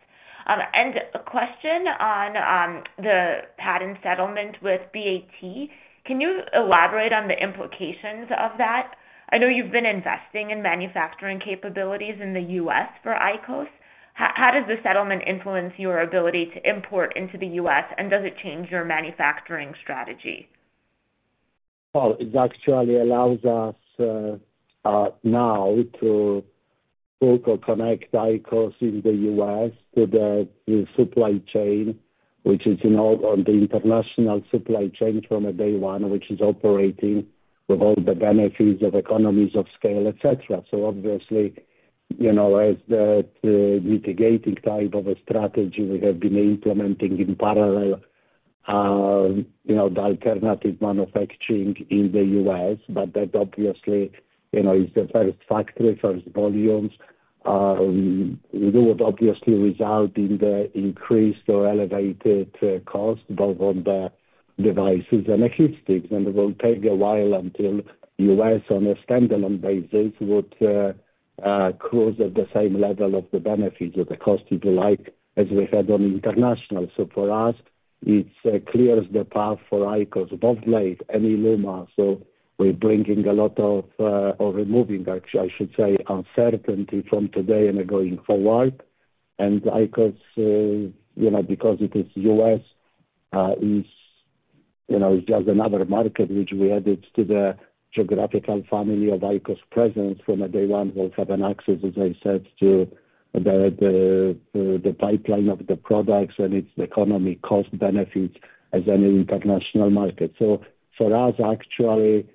A question on the patent settlement with BAT. Can you elaborate on the implications of that? I know you've been investing in manufacturing capabilities in the U.S. for IQOS. How does the settlement influence your ability to import into the U.S., and does it change your manufacturing strategy? Well, it actually allows us now to build or connect IQOS in the U.S. to the supply chain, which is, you know, on the international supply chain from day one, which is operating with all the benefits of economies of scale, et cetera. So obviously, you know, as the mitigating type of a strategy we have been implementing in parallel, you know, the alternative manufacturing in the U.S., but that obviously, you know, is the first factory, first volumes, will obviously result in the increased or elevated cost both on the devices and logistics. And it will take a while until U.S., on a standalone basis, would close at the same level of the benefits or the cost, if you like, as we had on international. So for us, it clears the path for IQOS, both Blade and ILUMA. So we're bringing a lot of, or removing, actually, I should say, uncertainty from today and going forward. And IQOS, you know, because it is U.S., you know, is just another market which we added to the geographical family of IQOS presence from day one, will have an access, as I said, to the pipeline of the products and its economy cost benefits as any international market. So for us, actually,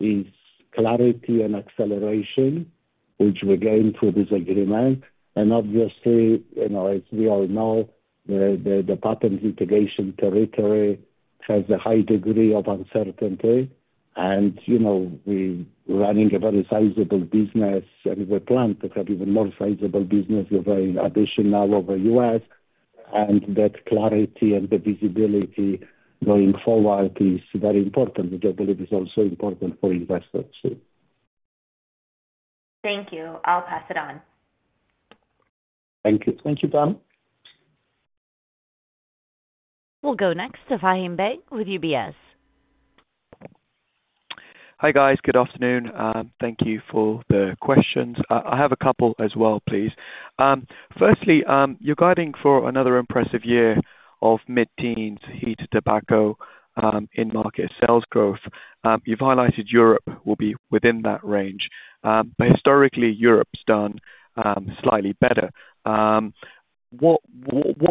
is clarity and acceleration, which we gain through this agreement. And obviously, you know, as we all know, the patent litigation territory has a high degree of uncertainty. And you know, we're running a very sizable business, and we plan to have even more sizable business with our addition now over U.S. That clarity and the visibility going forward is very important, which I believe is also important for investors too. Thank you. I'll pass it on. Thank you. Thank you, Pam. We'll go next to Faham Baig with UBS. Hi, guys. Good afternoon, thank you for the questions. I have a couple as well, please. Firstly, you're guiding for another impressive year of mid-teens heated tobacco in-market sales growth. You've highlighted Europe will be within that range, but historically, Europe's done slightly better. What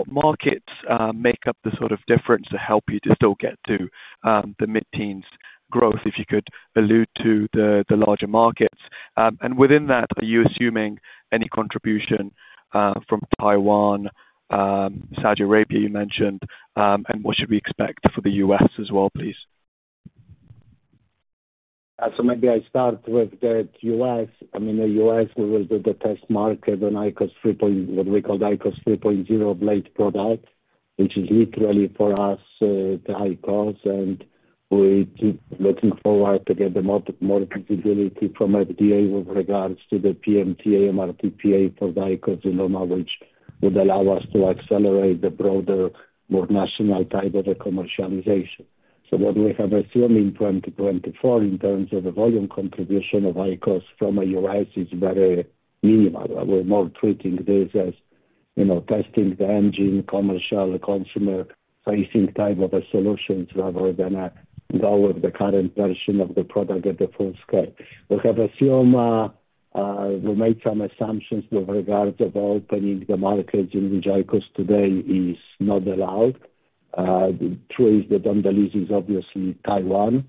markets make up the sort of difference to help you to still get to the mid-teens growth? If you could allude to the larger markets. And within that, are you assuming any contribution from Taiwan, Saudi Arabia, you mentioned, and what should we expect for the U.S. as well, please? So maybe I start with the U.S. I mean, the U.S. will be the test market on IQOS 3.0, what we call the IQOS 3.0 Blade product, which is literally for us, the IQOS, and we're keep looking forward to get the more visibility from FDA with regards to the PMTA, MRTPA for IQOS ILUMA, which would allow us to accelerate the broader, more national type of a commercialization. So what we have assumed in 2024 in terms of the volume contribution of IQOS from a U.S. is very minimal. We're more treating this as, you know, testing the engine, commercial, consumer-facing type of a solutions rather than a go with the current version of the product at the full scale. We have assumed, we made some assumptions with regards of opening the markets in which IQOS today is not allowed. The truth is that on the list is obviously Taiwan.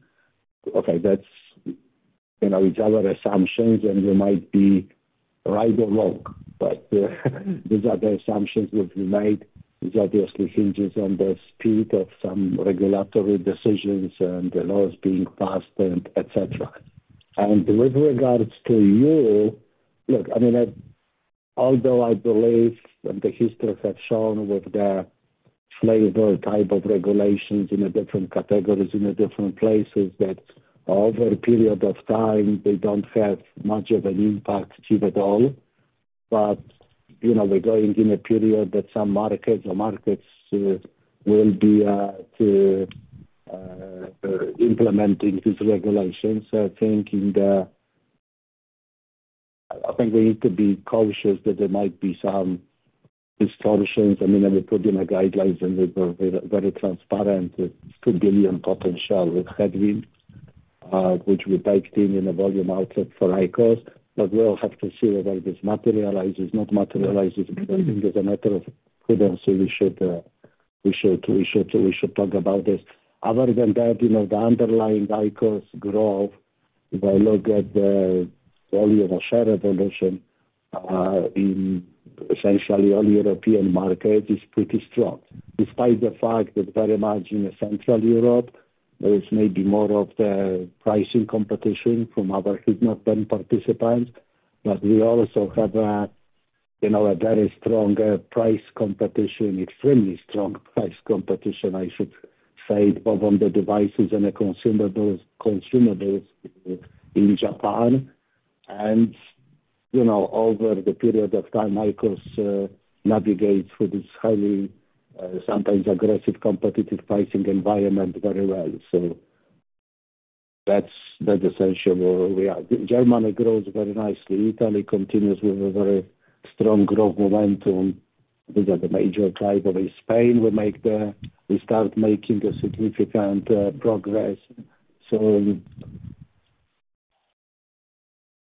Okay, that's, you know, it's our assumptions, and we might be right or wrong. But these are the assumptions which we made, which obviously hinges on the speed of some regulatory decisions and the laws being passed, and et cetera. And with regards to you, look, I mean, I, although I believe, and the history has shown with the flavor type of regulations in the different categories, in the different places, that over a period of time, they don't have much of an impact, if at all. But, you know, we're going in a period that some markets or markets will be to implementing these regulations. So I think we need to be cautious that there might be some distortions. I mean, and we put in the guidelines, and we were very, very transparent with $2 billion potential with headwinds, which we typed in, in a volume outlet for IQOS. But we all have to see whether this materializes, because as a matter of prudence, we should talk about this. Other than that, you know, the underlying IQOS growth, if I look at the volume and share evolution in essentially all European markets, is pretty strong, despite the fact that very much in Central Europe, there is maybe more of the pricing competition from other heat-not-burn participants. But we also have a, you know, a very strong price competition, extremely strong price competition, I should say, both on the devices and the consumables in Japan. You know, over the period of time, IQOS navigates through this highly, sometimes aggressive, competitive pricing environment very well. So that's, that's essentially where we are. Germany grows very nicely. Italy continues with a very strong growth momentum. These are the major driver. In Spain, we make the... We start making a significant progress. So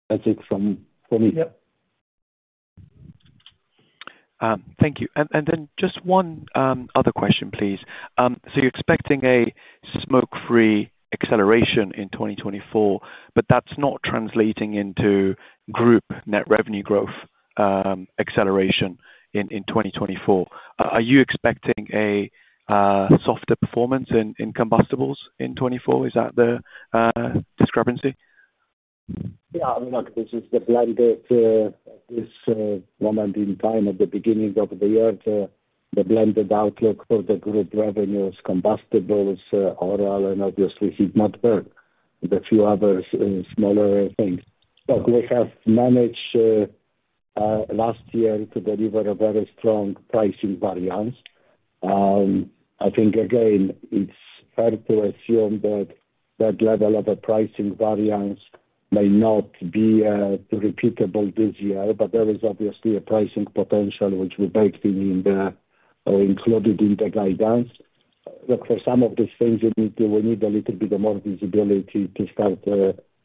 that's it from, from me. Yep. Thank you. And then just one other question, please. So you're expecting a smoke-free acceleration in 2024, but that's not translating into group net revenue growth acceleration in 2024. Are you expecting a softer performance in combustibles in 2024? Is that the discrepancy? Yeah, I mean, look, this is the blended, this, moment in time at the beginning of the year, the, the blended outlook for the group revenues, combustibles, oral, and obviously heat-not-burn, the few other, smaller things. Look, we have managed, last year, to deliver a very strong pricing variance. I think again, it's fair to assume that that level of a pricing variance may not be repeatable this year, but there is obviously a pricing potential which we baked in, or included in the guidance. Look, for some of these things, we need—we need a little bit more visibility to start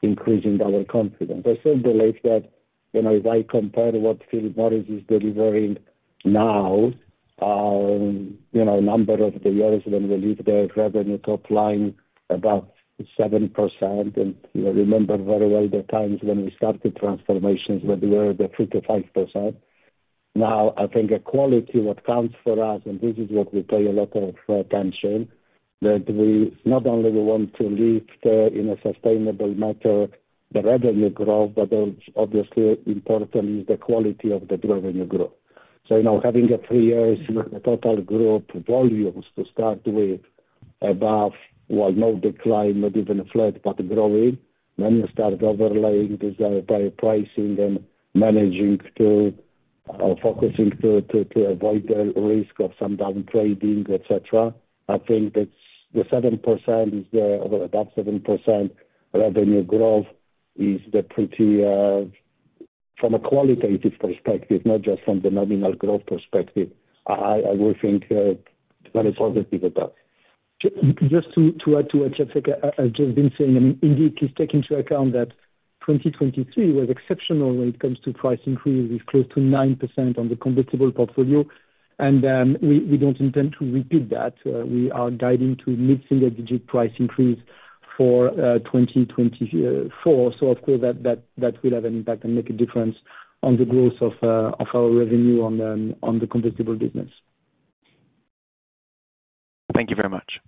increasing our confidence. I said lately that, you know, if I compare what Philip Morris is delivering now, you know, in a number of the years when we deliver the revenue top line about 7%, and I remember very well the times when we started transformations when we were at the 55%. Now, I think the quality what counts for us, and this is what we pay a lot of attention to—that we not only want to deliver, in a sustainable manner, the revenue growth, but then obviously important is the quality of the revenue growth. So now, having three years with the total group volumes to start with, with no decline, not even flat, but growing, then you start overlaying this by pricing and managing to or focusing to avoid the risk of some down trading, et cetera. I think that's the 7% is there, over about 7% revenue growth is the pretty, from a qualitative perspective, not just from the nominal growth perspective, I, I would think, very positive about. Just to add to what Jacek has just been saying, I mean, indeed, please take into account that 2023 was exceptional when it comes to price increase, with close to 9% on the combustibles portfolio. And we don't intend to repeat that. We are guiding to mid-single digit price increase for 2024. So of course, that will have an impact and make a difference on the growth of our revenue on the combustibles business. Thank you very much.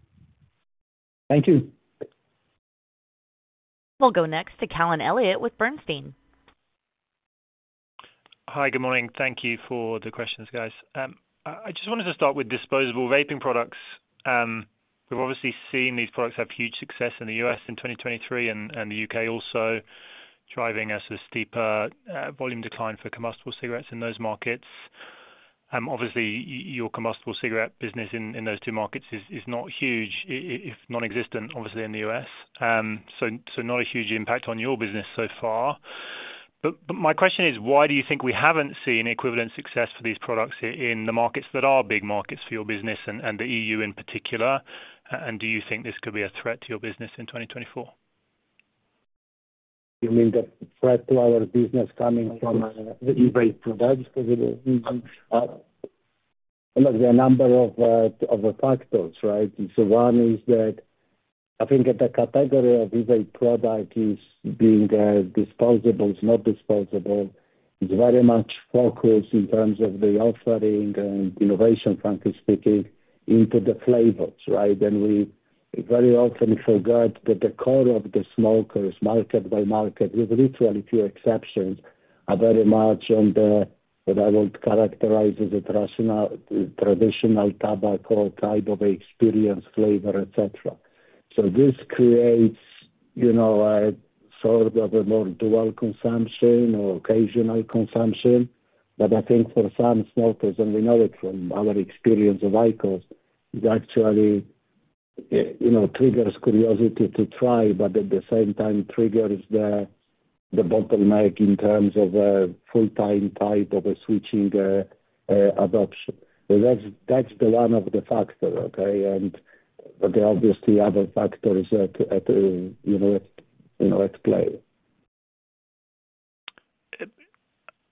Thank you. We'll go next to Callum Elliott with Bernstein. Hi, good morning. Thank you for the questions, guys. I just wanted to start with disposable vaping products. We've obviously seen these products have huge success in the U.S. in 2023, and the U.K. also, driving a steeper volume decline for combustible cigarettes in those markets. Obviously, your combustible cigarette business in those two markets is not huge, if non-existent, obviously, in the U.S. So not a huge impact on your business so far. But my question is, why do you think we haven't seen equivalent success for these products in the markets that are big markets for your business and the EU in particular? And do you think this could be a threat to your business in 2024? You mean the threat to our business coming from the e-vape products? Because, look, there are a number of, of factors, right? So one is that I think that the category of e-vape product is being, disposable, it's not disposable. It's very much focused in terms of the offering and innovation, frankly speaking, into the flavors, right? And we very often forget that the core of the smokers, market by market, with literally few exceptions, are very much on the, what I would characterize as a rational-traditional tobacco type of experience, flavor, et cetera. So this creates, you know, a sort of a more dual consumption or occasional consumption. But I think for some smokers, and we know it from our experience of IQOS, it actually, you know, triggers curiosity to try, but at the same time triggers the bottleneck in terms of full-time type of a switching adoption. So that's one of the factors, okay? But there are obviously other factors that are at play.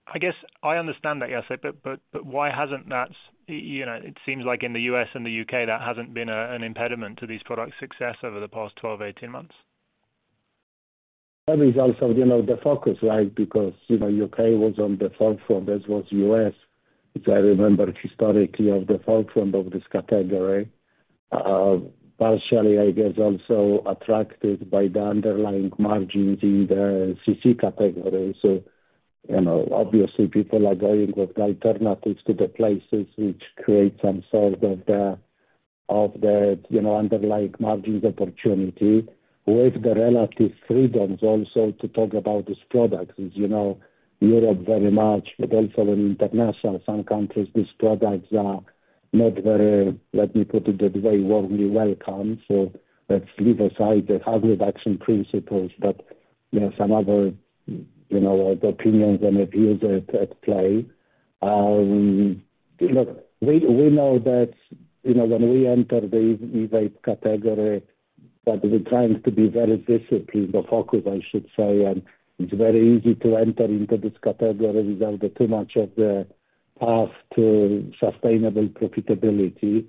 I guess I understand that, Jacek, but why hasn't that, you know, it seems like in the U.S. and the U.K., that hasn't been a, an impediment to these products' success over the past 12-18 months. That is also, you know, the focus, right? Because, you know, U.K. was on the forefront, as was U.S., which I remember historically, of the forefront of this category. Partially, I guess, also attracted by the underlying margins in the CC category. So, you know, obviously people are going with alternatives to the places which create some sort of the, of the, you know, underlying margins opportunity, with the relative freedoms also to talk about this product. As you know, Europe very much, but also in international, some countries, these products are not very, let me put it, very warmly welcome. So let's leave aside the harm reduction principles, but there are some other, you know, opinions and reviews at, at play. Look, we, we know that, you know, when we enter the e-vape category, that we're trying to be very disciplined, the focus, I should say, and it's very easy to enter into this category without the too much of the path to sustainable profitability.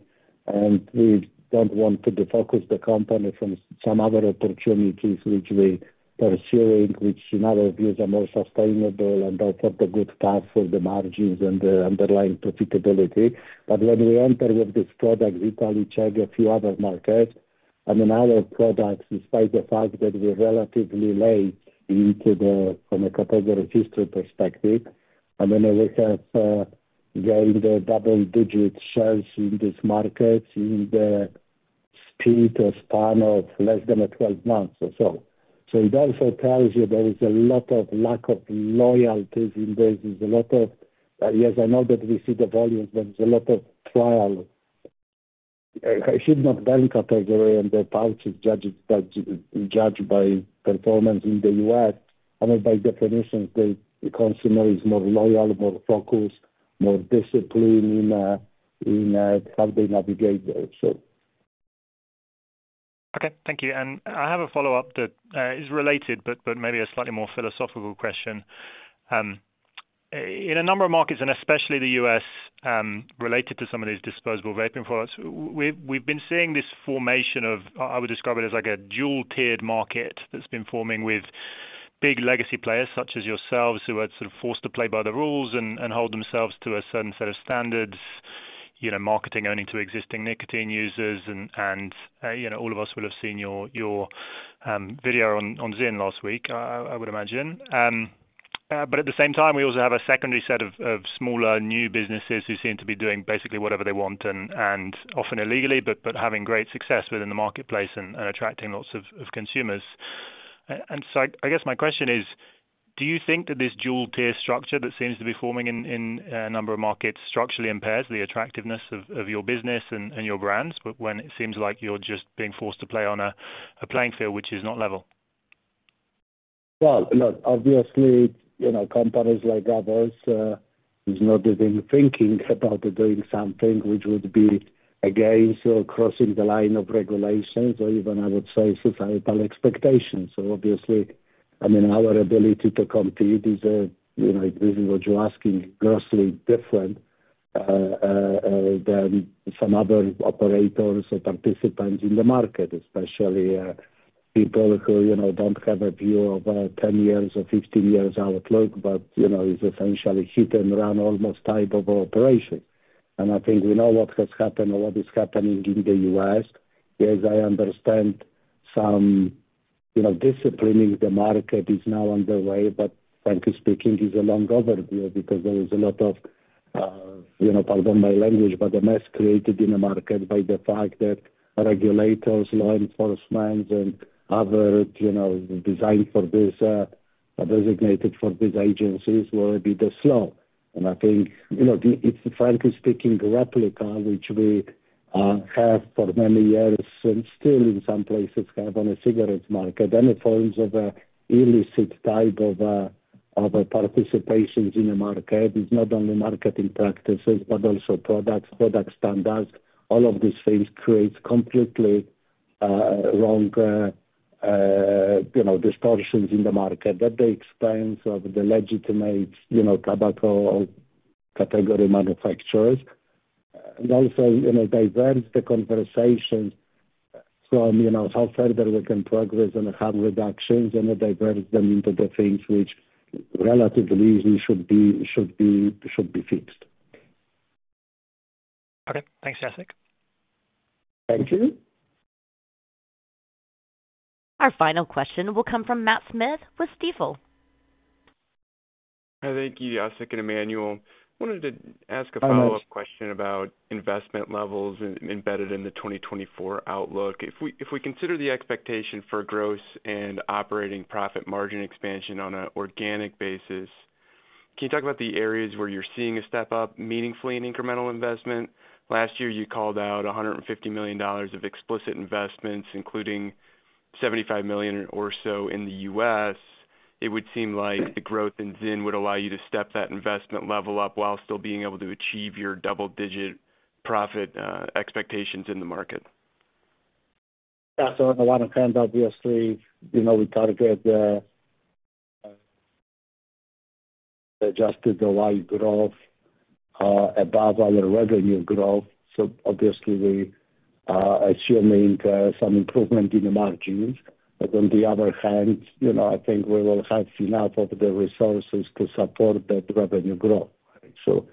And we don't want to defocus the company from some other opportunities which we're pursuing, which in our views, are more sustainable and are for the good path for the margins and the underlying profitability. But when we enter with this product, we probably check a few other markets. I mean, our products, despite the fact that we're relatively late into the, from a category history perspective, I mean, we have gained a double-digit shares in this market, in the speed or span of less than 12 months or so. So it also tells you there is a lot of lack of loyalties in this. There's a lot of, yes, I know that we see the volumes, there is a lot of trial. I should not very category and the parties judge it by performance in the U.S., and by definition, the consumer is more loyal, more focused, more disciplined in how they navigate there, so. Okay, thank you. And I have a follow-up that is related, but maybe a slightly more philosophical question. In a number of markets, and especially the U.S., related to some of these disposable vaping products, we've been seeing this formation of. I would describe it as like a dual-tiered market that's been forming with big legacy players, such as yourselves, who are sort of forced to play by the rules and hold themselves to a certain set of standards, you know, marketing only to existing nicotine users. And you know, all of us will have seen your video on ZYN last week, I would imagine. But at the same time, we also have a secondary set of smaller, new businesses who seem to be doing basically whatever they want and often illegally, but having great success within the marketplace and attracting lots of consumers. And so I guess my question is: Do you think that this dual tier structure that seems to be forming in a number of markets structurally impairs the attractiveness of your business and your brands, when it seems like you're just being forced to play on a playing field which is not level? Well, look, obviously, you know, companies like others is not even thinking about doing something which would be against or crossing the line of regulations or even, I would say, societal expectations. So obviously, I mean, our ability to compete is, you know, this is what you're asking, grossly different than some other operators or participants in the market. Especially, people who, you know, don't have a view of 10 years or 15 years outlook, but, you know, it's essentially hit and run, almost type of operation. And I think we know what has happened or what is happening in the U.S. As I understand, some, you know, disciplining the market is now underway, but frankly speaking, is a long overview, because there is a lot of, you know, pardon my language, but a mess created in the market by the fact that regulators, law enforcement, and others, you know, designed for this, designated for these agencies will be the slow. And I think, you know, it's frankly speaking, a replica which we have for many years and still in some places have on a cigarette market. Any forms of illicit type of participations in the market is not only marketing practices, but also products, product standards. All of these things creates completely wrong, you know, distortions in the market at the expense of the legitimate, you know, tobacco category manufacturers. It also, you know, diverts the conversation from, you know, how further we can progress and have reductions, and it diverts them into the things which relatively easy should be fixed. Okay. Thanks, Jacek. Thank you. Our final question will come from Matt Smith with Stifel. Hi, thank you, Jacek and Emmanuel. Wanted to ask. Hi, Matt A follow-up question about investment levels embedded in the 2024 outlook. If we, if we consider the expectation for growth and operating profit margin expansion on an organic basis, can you talk about the areas where you're seeing a step up meaningfully in incremental investment? Last year, you called out $150 million of explicit investments, including $75 million or so in the U.S. It would seem like the growth in ZYN would allow you to step that investment level up while still being able to achieve your double-digit profit expectations in the market. Yeah, so on the one hand, obviously, you know, we target adjusted EPS growth above our revenue growth. So obviously, assuming some improvement in the margins. But on the other hand, you know, I think we will have enough of the resources to support that revenue growth. So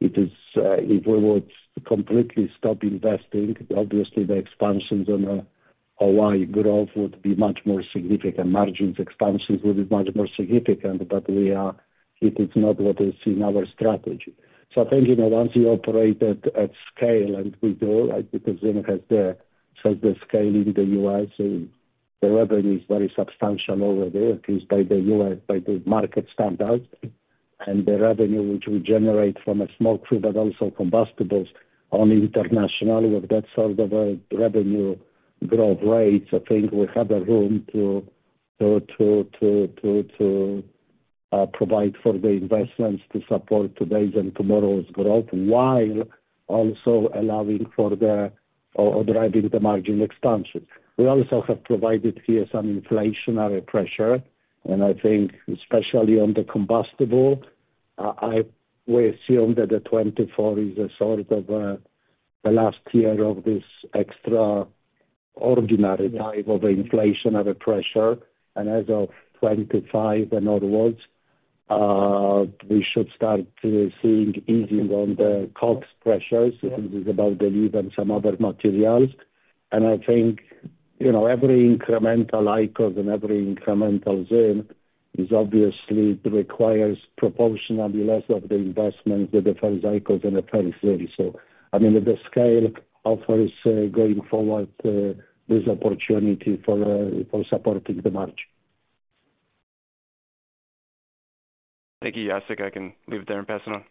it is, if we would completely stop investing, obviously the expansions on EPS growth would be much more significant. Margin expansions would be much more significant, but it is not what is in our strategy. So I think, you know, once you operate at scale, and we do, because ZYN has the scale in the U.S., so the revenue is very substantial over there. It is, by the U.S. market standards. And the revenue which we generate from a smoke-free, but also combustibles only internationally with that sort of a revenue growth rates, I think we have a room to provide for the investments to support today's and tomorrow's growth, while also allowing for the or driving the margin expansion. We also have provided here some inflationary pressure, and I think especially on the combustible, we assume that 2024 is a sort of the last year of this extraordinary type of inflationary pressure. And as of 2025 and onwards, we should start to seeing easing on the cost pressures. I think it's about the leaf and some other materials. And I think, you know, every incremental IQOS and every incremental ZYN is obviously requires proportionally less of the investment with the first IQOS and the first ZYN. I mean, the scale offers, going forward, this opportunity for supporting the margin. Thank you, Jacek. I can leave it there and pass it on.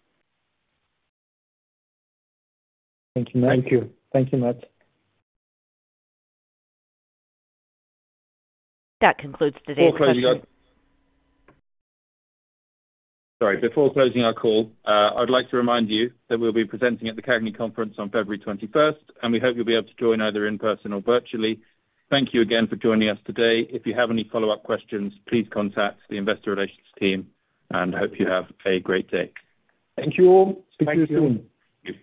Thank you. Thank you, Matt. That concludes today's session. Before closing our call, I'd like to remind you that we'll be presenting at the CAGNY Conference on February 21st, and we hope you'll be able to join either in person or virtually. Thank you again for joining us today. If you have any follow-up questions, please contact the investor relations team, and hope you have a great day. Thank you all. Thank you. See you soon. Thank you.